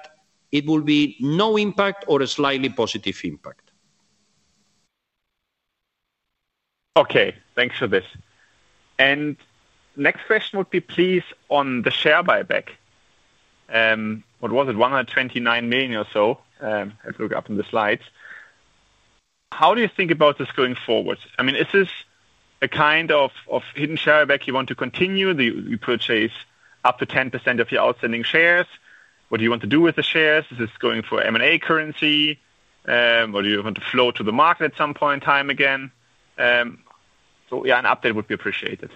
it will be no impact or a slightly positive impact. Okay, thanks for this. Next question would be, please, on the share buyback. What was it? 129 million or so, if I look up in the slides. How do you think about this going forward? I mean, is this a kind of hidden share buyback you want to continue, the you purchase up to 10% of your outstanding shares? What do you want to do with the shares? Is this going for M&A currency, or do you want to flow to the market at some point in time again? So, yeah, an update would be appreciated.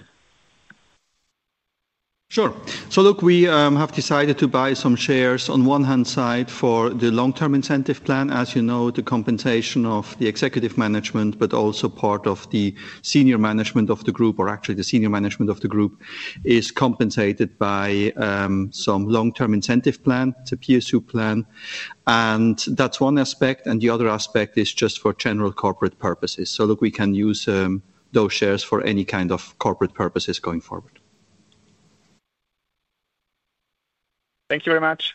Sure. So look, we have decided to buy some shares on one hand side for the long-term incentive plan. As you know, the compensation of the executive management, but also part of the senior management of the group, or actually the senior management of the group, is compensated by some long-term incentive plan. It's a PSU plan, and that's one aspect, and the other aspect is just for general corporate purposes. So look, we can use those shares for any kind of corporate purposes going forward. Thank you very much.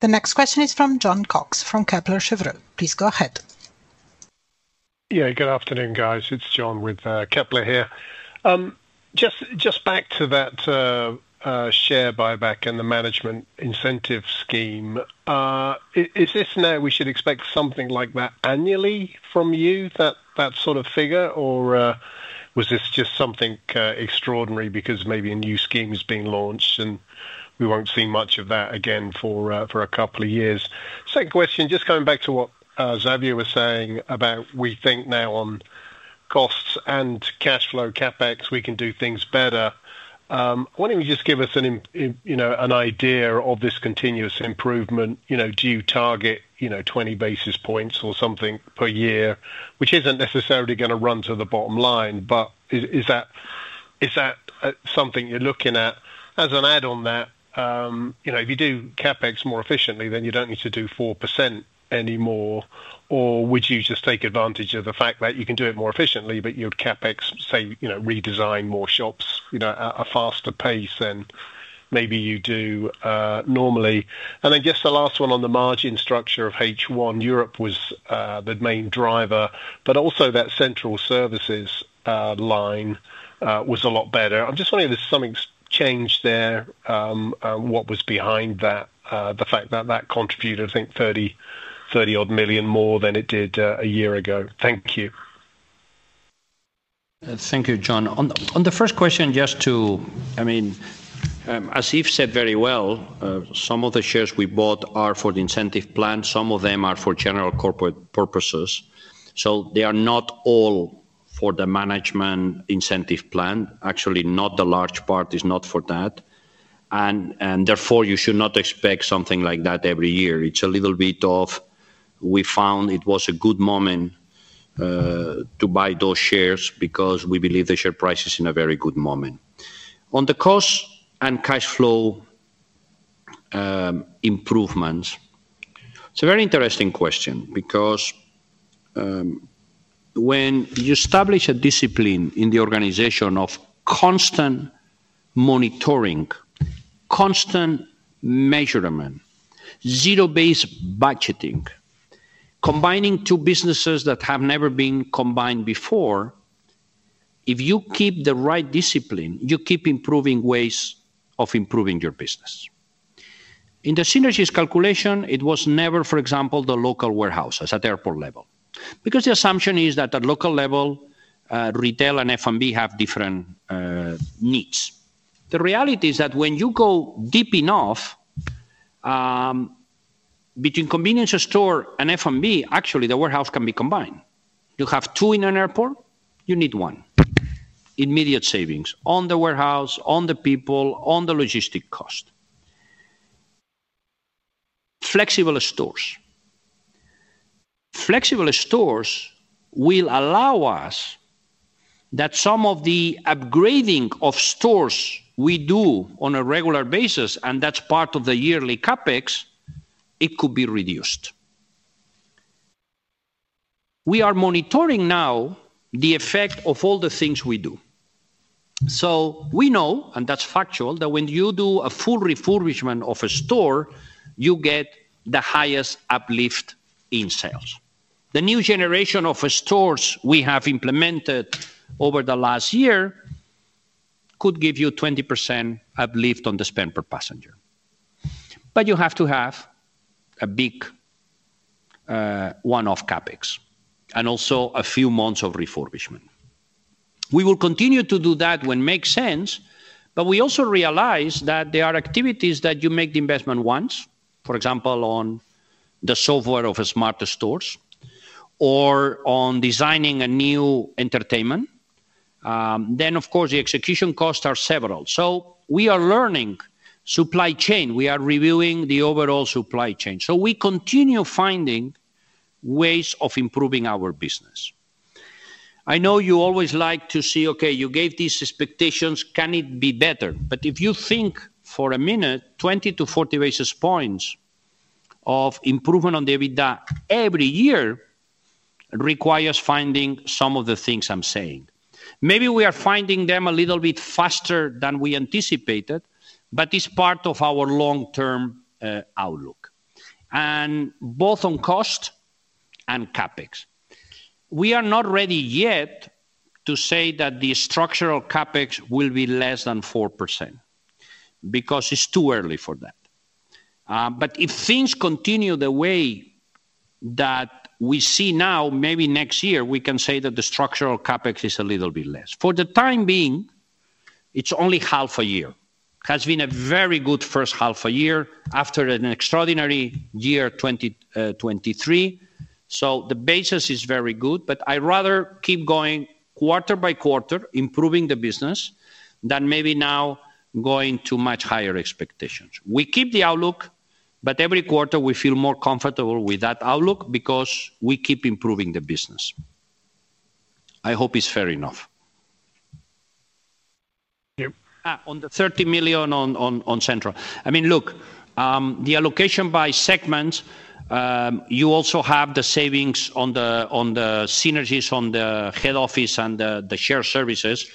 The next question is from Jon Cox, from Kepler Cheuvreux. Please go ahead. Yeah, good afternoon, guys. It's Jon with Kepler here. Just back to that share buyback and the management incentive scheme. Is this now we should expect something like that annually from you, that sort of figure? Or was this just something extraordinary because maybe a new scheme is being launched, and we won't see much of that again for a couple of years? Second question, just going back to what Xavier was saying about, we think now on costs and cash flow CapEx, we can do things better. Why don't you just give us an idea of this continuous improvement, you know, do you target 20 basis points or something per year? Which isn't necessarily gonna run to the bottom line, but is that something you're looking at? As an add on that, you know, if you do CapEx more efficiently, then you don't need to do 4% anymore. Or would you just take advantage of the fact that you can do it more efficiently, but your CapEx, say, you know, redesign more shops, you know, at a faster pace than maybe you do normally? And I guess the last one on the margin structure of H1, Europe was the main driver, but also that central services line was a lot better. I'm just wondering if something's changed there, what was behind that, the fact that that contributed, I think, 30, 30-odd million more than it did a year ago. Thank you. Thank you, Jon. On the first question, just to I mean, as Yves said very well, some of the shares we bought are for the incentive plan, some of them are for general corporate purposes. So they are not all for the management incentive plan. Actually, not the large part is not for that, and therefore, you should not expect something like that every year. It's a little bit of, we found it was a good moment to buy those shares because we believe the share price is in a very good moment. On the cost and cash flow improvements, it's a very interesting question because when you establish a discipline in the organization of constant monitoring, constant measurement, zero-based budgeting, combining two businesses that have never been combined before, if you keep the right discipline, you keep improving ways of improving your business. In the synergies calculation, it was never, for example, the local warehouses at airport level, because the assumption is that at local level, retail and F&B have different needs. The reality is that when you go deep enough, between convenience store and F&B, actually, the warehouse can be combined. You have two in an airport, you need one. Immediate savings on the warehouse, on the people, on the logistic cost. Flexible stores. Flexible stores will allow us that some of the upgrading of stores we do on a regular basis, and that's part of the yearly CapEx, it could be reduced. We are monitoring now the effect of all the things we do. So we know, and that's factual, that when you do a full refurbishment of a store, you get the highest uplift in sales. The new generation of stores we have implemented over the last year could give you 20% uplift on the spend per passenger. But you have to have a big, one-off CapEx, and also a few months of refurbishment. We will continue to do that when makes sense, but we also realize that there are activities that you make the investment once, for example, on the software of Smarter Stores or on designing a new entertainment. Then, of course, the execution costs are several. So we are learning supply chain. We are reviewing the overall supply chain, so we continue finding ways of improving our business. I know you always like to see, okay, you gave these expectations, can it be better? But if you think for a minute, 20-40 basis points of improvement on the EBITDA every year requires finding some of the things I'm saying. Maybe we are finding them a little bit faster than we anticipated, but it's part of our long-term outlook, and both on cost and CapEx. We are not ready yet to say that the structural CapEx will be less than 4%, because it's too early for that. But if things continue the way that we see now, maybe next year, we can say that the structural CapEx is a little bit less. For the time being, it's only half a year. It has been a very good first half a year after an extraordinary year 2023, so the basis is very good, but I rather keep going quarter by quarter, improving the business, than maybe now going to much higher expectations. We keep the outlook, but every quarter we feel more comfortable with that outlook because we keep improving the business. I hope it's fair enough. Yeah. On the 30 million on, on Central. I mean, look, the allocation by segments, you also have the savings on the synergies on the head office and the shared services,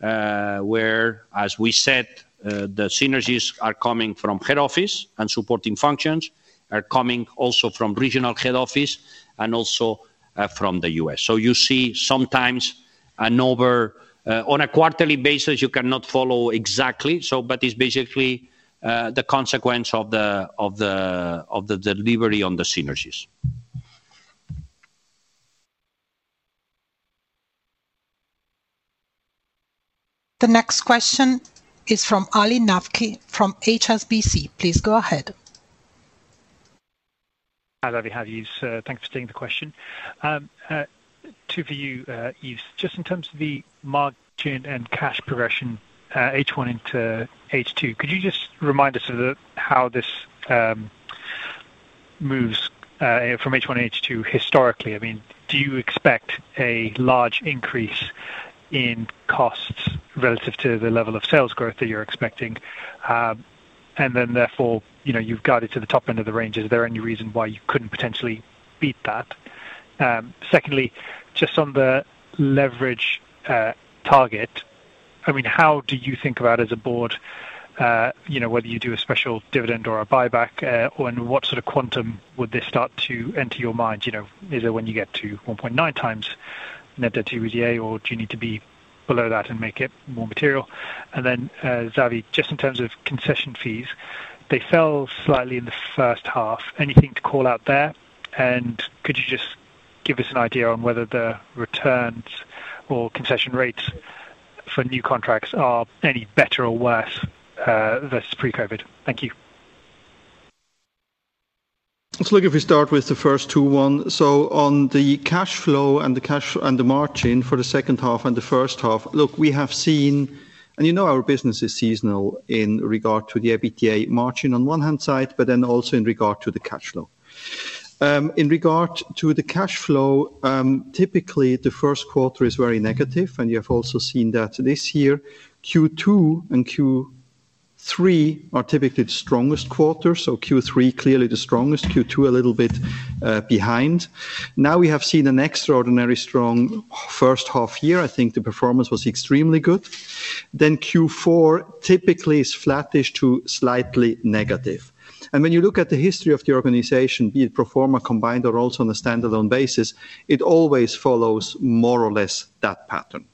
where, as we said, the synergies are coming from head office, and supporting functions are coming also from regional head office and also from the US. So you see sometimes an over... On a quarterly basis, you cannot follow exactly, so but it's basically the consequence of the delivery on the synergies. The next question is from Ali Naqvi from HSBC. Please go ahead. Hi, Xavi, how are you, sir? Thanks for taking the question. Two for you, Yves. Just in terms of the margin and cash progression, H1 into H2, could you just remind us of how this moves from H1 to H2 historically? I mean, do you expect a large increase in costs relative to the level of sales growth that you're expecting? And then therefore, you know, you've got it to the top end of the range. Is there any reason why you couldn't potentially beat that? Secondly, just on the leverage target, I mean, how do you think about as a board, you know, whether you do a special dividend or a buyback, or in what sort of quantum would this start to enter your mind? You know, is it when you get to 1.9 times net debt to EBITDA, or do you need to be below that and make it more material? And then, Xavier, just in terms of concession fees, they fell slightly in the first half. Anything to call out there? And could you just give us an idea on whether the returns or concession rates for new contracts are any better or worse, versus pre-COVID? Thank you. Let's look, if we start with the first two one. So on the cash flow and the cash and the margin for the second half and the first half, look, we have seen... And you know our business is seasonal in regard to the EBITDA margin on one hand side, but then also in regard to the cash flow. In regard to the cash flow, typically, the first quarter is very negative, and you have also seen that this year. Q2 and Q3 are typically the strongest quarters, so Q3, clearly the strongest, Q2, a little bit behind. Now, we have seen an extraordinary strong first half year. I think the performance was extremely good. Then Q4 typically is flattish to slightly negative. When you look at the history of the organization, be it pro forma, combined, or also on a standalone basis, it always follows more or less that pattern.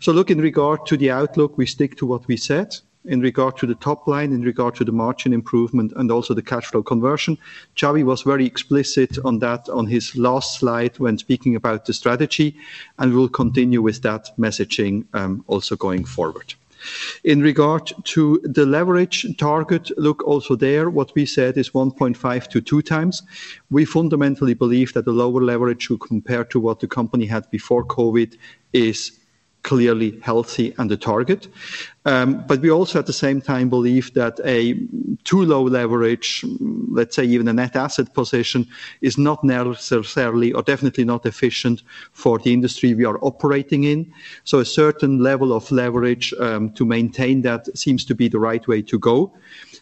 So look, in regard to the outlook, we stick to what we said. In regard to the top line, in regard to the margin improvement, and also the cash flow conversion, Xavi was very explicit on that on his last slide when speaking about the strategy, and we will continue with that messaging, also going forward. In regard to the leverage target, look, also there, what we said is 1.5-2 times. We fundamentally believe that the lower leverage compared to what the company had before COVID is clearly healthy and the target. But we also, at the same time, believe that a too low leverage, let's say even a net asset position, is not necessarily or definitely not efficient for the industry we are operating in. So a certain level of leverage, to maintain that seems to be the right way to go.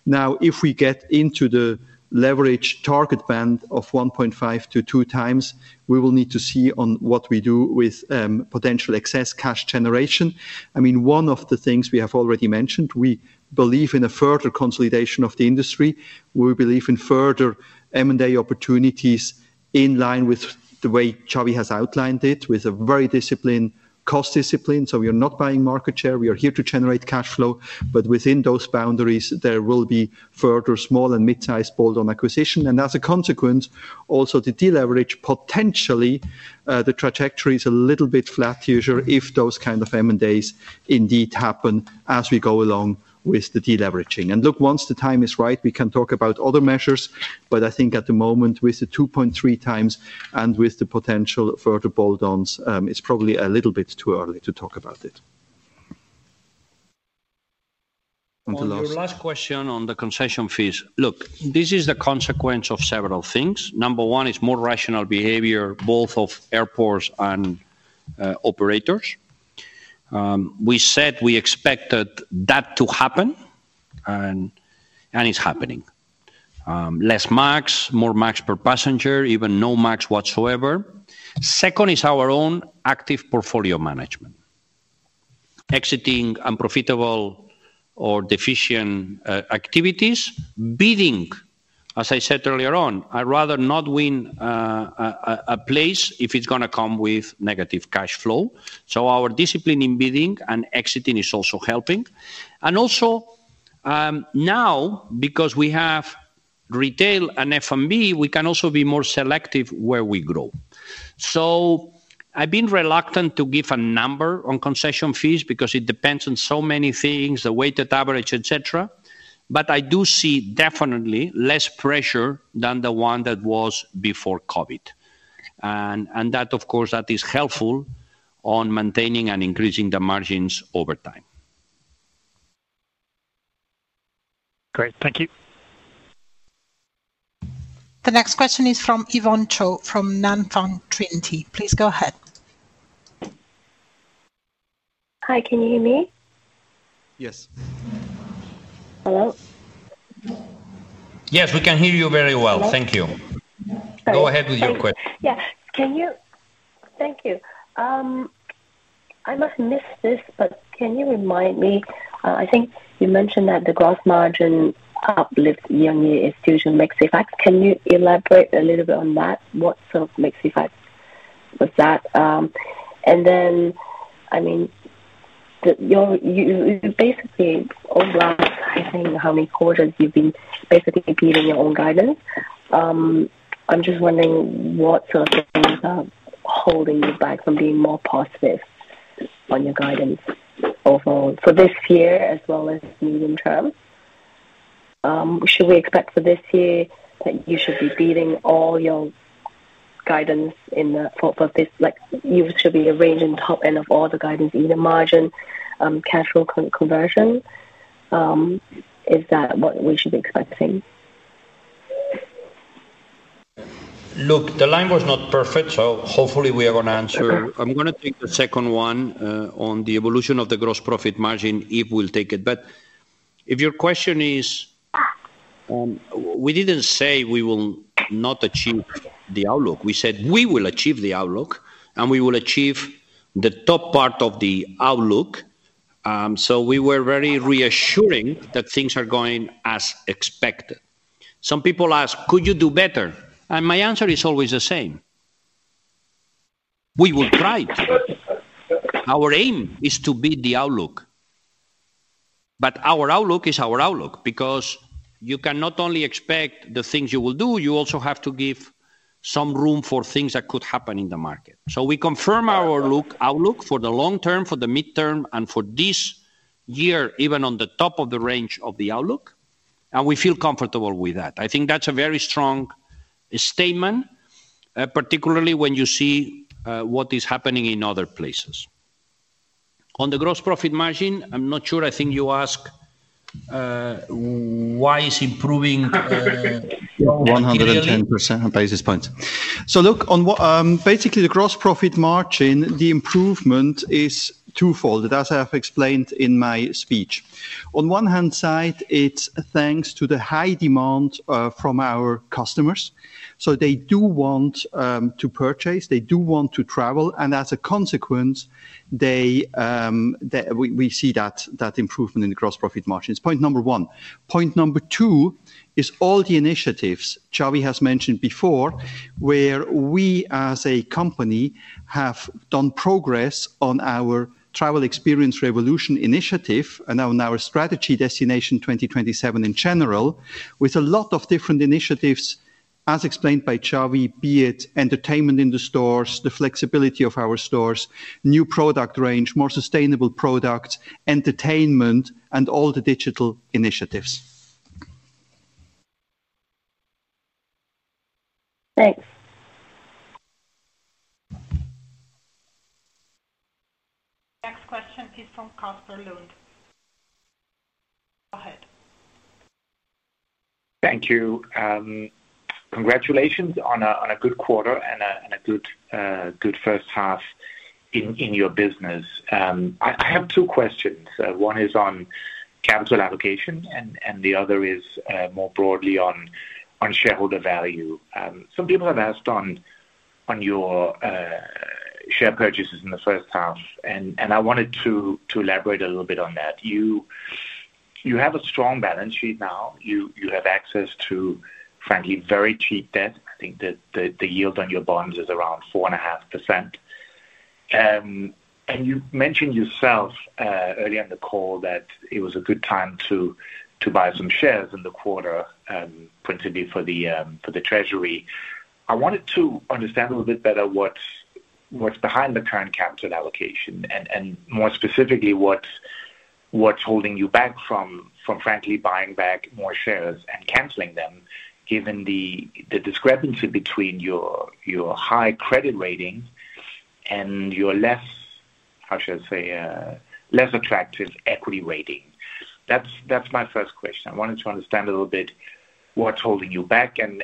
Now, if we get into the leverage target band of 1.5-2 times, we will need to see on what we do with, potential excess cash generation. I mean, one of the things we have already mentioned, we believe in a further consolidation of the industry. We believe in further M&A opportunities in line with the way Xavi has outlined it, with a very disciplined cost discipline. So we are not buying market share, we are here to generate cash flow, but within those boundaries, there will be further small and mid-sized bolt-on acquisition. And as a consequence, also the deleverage, potentially, the trajectory is a little bit flat usual if those kind of M&As indeed happen as we go along with the deleveraging. And look, once the time is right, we can talk about other measures, but I think at the moment, with the 2.3 times and with the potential further bolt-ons, it's probably a little bit too early to talk about it. On your last question on the concession fees, look, this is the consequence of several things. Number one, is more rational behavior, both of airports and, operators. We said we expected that to happen, and it's happening. Less max, more max per passenger, even no max whatsoever. Second, is our own active portfolio management. Exiting unprofitable or deficient, activities, bidding, as I said earlier on, I'd rather not win, a place if it's gonna come with negative cash flow. So our discipline in bidding and exiting is also helping. And also, now, because we have retail and F&B, we can also be more selective where we grow. So I've been reluctant to give a number on concession fees because it depends on so many things, the weighted average, etc. But I do see definitely less pressure than the one that was before COVID. And that, of course, is helpful on maintaining and increasing the margins over time. Great. Thank you. The next question is from Yiwan Chuang, from Santander. Please go ahead. Hi, can you hear me? Yes. Hello? Yes, we can hear you very well. Okay. Thank you. Sorry. Go ahead with your question. Yeah. Can you... Thank you. I must have missed this, but can you remind me, I think you mentioned that the gross margin uplift year-over-year is due to mix effects. Can you elaborate a little bit on that? What sort of mix effect was that? And then, I mean, basically, over, I think, how many quarters you've been basically beating your own guidance. I'm just wondering what sort of things are holding you back from being more positive on your guidance overall, for this year as well as medium term? Should we expect for this year that you should be beating all your guidance in the fourth of this, like, you should be reaching top end of all the guidance, either margin, cash conversion? Is that what we should be expecting? Look, the line was not perfect, so hopefully we are going to answer. Okay. I'm gonna take the second one, on the evolution of the gross profit margin, Yves will take it. But if your question is, we didn't say we will not achieve the outlook. We said, we will achieve the outlook, and we will achieve the top part of the outlook. So we were very reassuring that things are going as expected. Some people ask, "Could you do better?" And my answer is always the same: We will try. Our aim is to beat the outlook, but our outlook is our outlook because you cannot only expect the things you will do, you also have to give some room for things that could happen in the market. So we confirm our outlook for the long term, for the midterm, and for this year, even on the top of the range of the outlook, and we feel comfortable with that. I think that's a very strong statement, particularly when you see what is happening in other places. On the gross profit margin, I'm not sure, I think you asked why is improving yearly- 110 basis points. So look, basically, the gross profit margin, the improvement is twofold, as I have explained in my speech. On the one hand, it's thanks to the high demand from our customers. So they do want to purchase, they do want to travel, and as a consequence, we see that improvement in the gross profit margin. It's point number one. Point number two is all the initiatives Xavi has mentioned before, where we, as a company, have made progress on our Travel Experience Revolution initiative and on our strategy Destination 2027 in general, with a lot of different initiatives, as explained by Xavi, be it entertainment in the stores, the flexibility of our stores, new product range, more sustainable products, entertainment, and all the digital initiatives. Thanks. Next question is from Casper Blom. Go ahead. Thank you. Congratulations on a good quarter and a good first half in your business. I have two questions. One is on capital allocation, and the other is more broadly on shareholder value. Some people have asked on your share purchases in the first half, and I wanted to elaborate a little bit on that. You have a strong balance sheet now. You have access to, frankly, very cheap debt. I think the yield on your bonds is around 4.5%. And you mentioned yourself earlier in the call that it was a good time to buy some shares in the quarter, principally for the treasury. I wanted to understand a little bit better what's behind the current capital allocation, and more specifically, what's holding you back from frankly buying back more shares and canceling them, given the discrepancy between your high credit rating and your less—how should I say—less attractive equity rating? That's my first question. I wanted to understand a little bit what's holding you back and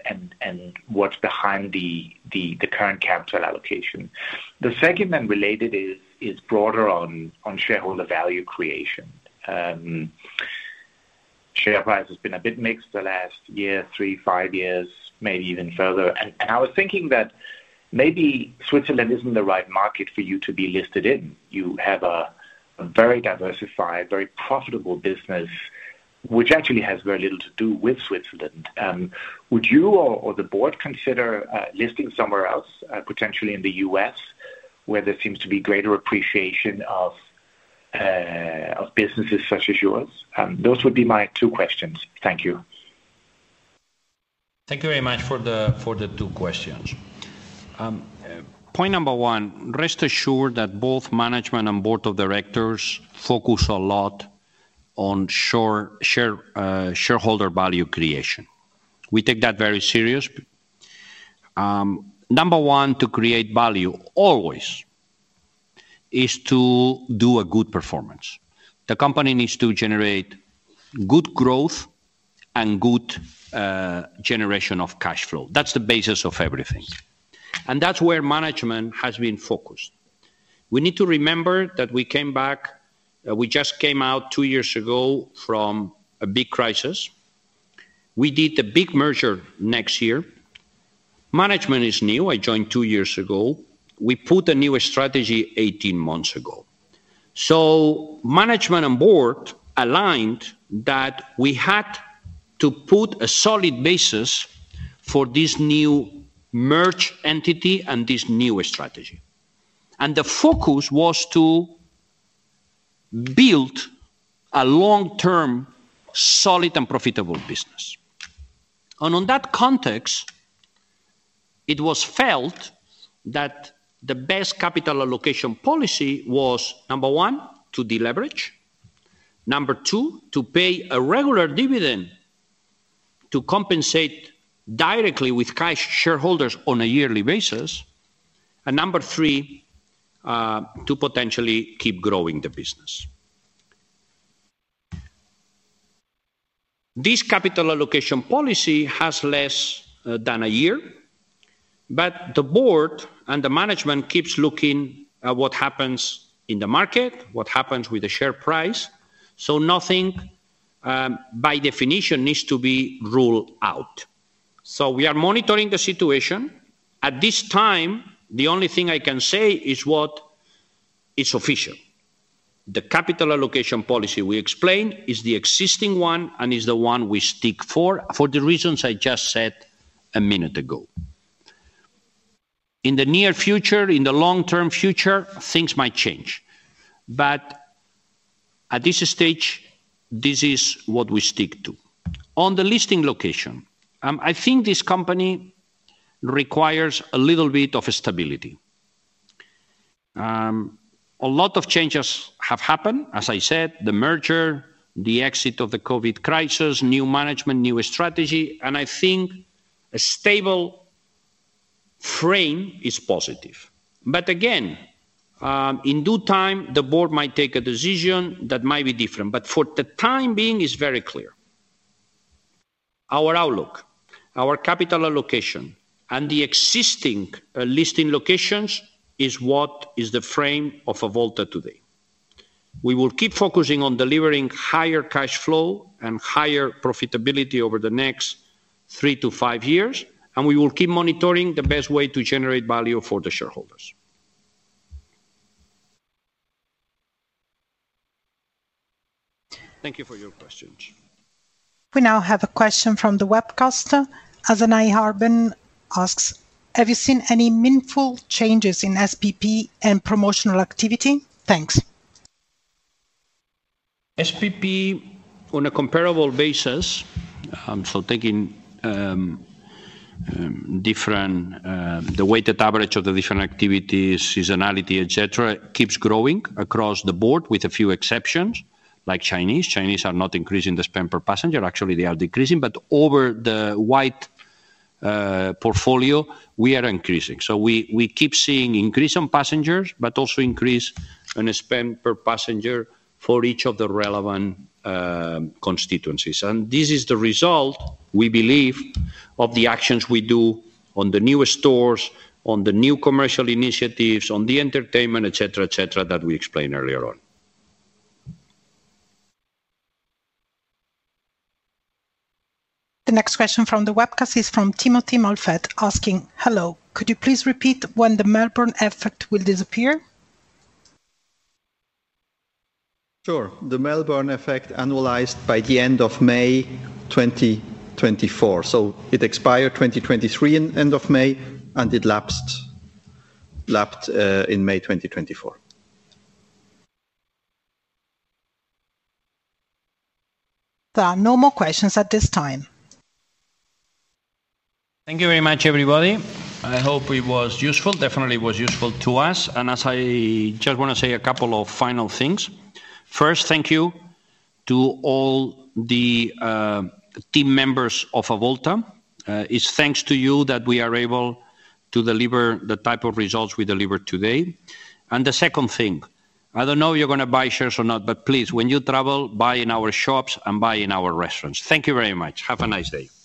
what's behind the current capital allocation. The second, and related, is broader on shareholder value creation. Share price has been a bit mixed the last year, three, five years, maybe even further. I was thinking that maybe Switzerland isn't the right market for you to be listed in. You have a very diversified, very profitable business, which actually has very little to do with Switzerland. Would you or, or the board consider listing somewhere else, potentially in the U.S., where there seems to be greater appreciation of, of businesses such as yours? Those would be my two questions. Thank you. Thank you very much for the two questions. Point number one, rest assured that both management and board of directors focus a lot on shareholder value creation. We take that very serious. Number one, to create value always is to do a good performance. The company needs to generate good growth and good generation of cash flow. That's the basis of everything, and that's where management has been focused. We need to remember that we came back, we just came out two years ago from a big crisis. We did a big merger next year. Management is new. I joined two years ago. We put a new strategy eighteen months ago. So management and board aligned that we had to put a solid basis for this new merged entity and this new strategy, and the focus was to build a long-term, solid, and profitable business. And on that context, it was felt that the best capital allocation policy was, number one, to deleverage, number two, to pay a regular dividend to compensate directly with cash shareholders on a yearly basis, and number three, to potentially keep growing the business. This capital allocation policy has less than a year, but the board and the management keeps looking at what happens in the market, what happens with the share price, so nothing by definition needs to be ruled out. So we are monitoring the situation. At this time, the only thing I can say is what is official. The capital allocation policy we explained is the existing one, and is the one we stick for, for the reasons I just said a minute ago. In the near future, in the long-term future, things might change, but at this stage, this is what we stick to. On the listing location, I think this company requires a little bit of stability. A lot of changes have happened, as I said, the merger, the exit of the COVID crisis, new management, new strategy, and I think a stable frame is positive. But again, in due time, the board might take a decision that might be different, but for the time being, it's very clear. Our outlook, our capital allocation, and the existing listing locations is what is the frame of Avolta today. We will keep focusing on delivering higher cash flow and higher profitability over the next 3-5 years, and we will keep monitoring the best way to generate value for the shareholders. Thank you for your questions. We now have a question from the webcaster. Azanai Harbin asks: Have you seen any meaningful changes in SPP and promotional activity? Thanks. SPP, on a comparable basis, so taking, different... The weighted average of the different activities, seasonality, et cetera, keeps growing across the board, with a few exceptions, like Chinese. Chinese are not increasing the spend per passenger. Actually, they are decreasing, but over the wide, portfolio, we are increasing. So we, we keep seeing increase on passengers, but also increase on the spend per passenger for each of the relevant, constituencies. And this is the result, we believe, of the actions we do on the newer stores, on the new commercial initiatives, on the entertainment, et cetera, et cetera, that we explained earlier on. The next question from the webcast is from Timothy Mulfet asking: Hello, could you please repeat when the Melbourne effect will disappear? Sure. The Melbourne effect annualized by the end of May 2024. So it expired 2023 in end of May, and it lapsed in May 2024. There are no more questions at this time. Thank you very much, everybody, and I hope it was useful. Definitely, it was useful to us. And as I just want to say a couple of final things. First, thank you to all the team members of Avolta. It's thanks to you that we are able to deliver the type of results we delivered today. And the second thing, I don't know if you're gonna buy shares or not, but please, when you travel, buy in our shops and buy in our restaurants. Thank you very much. Have a nice day.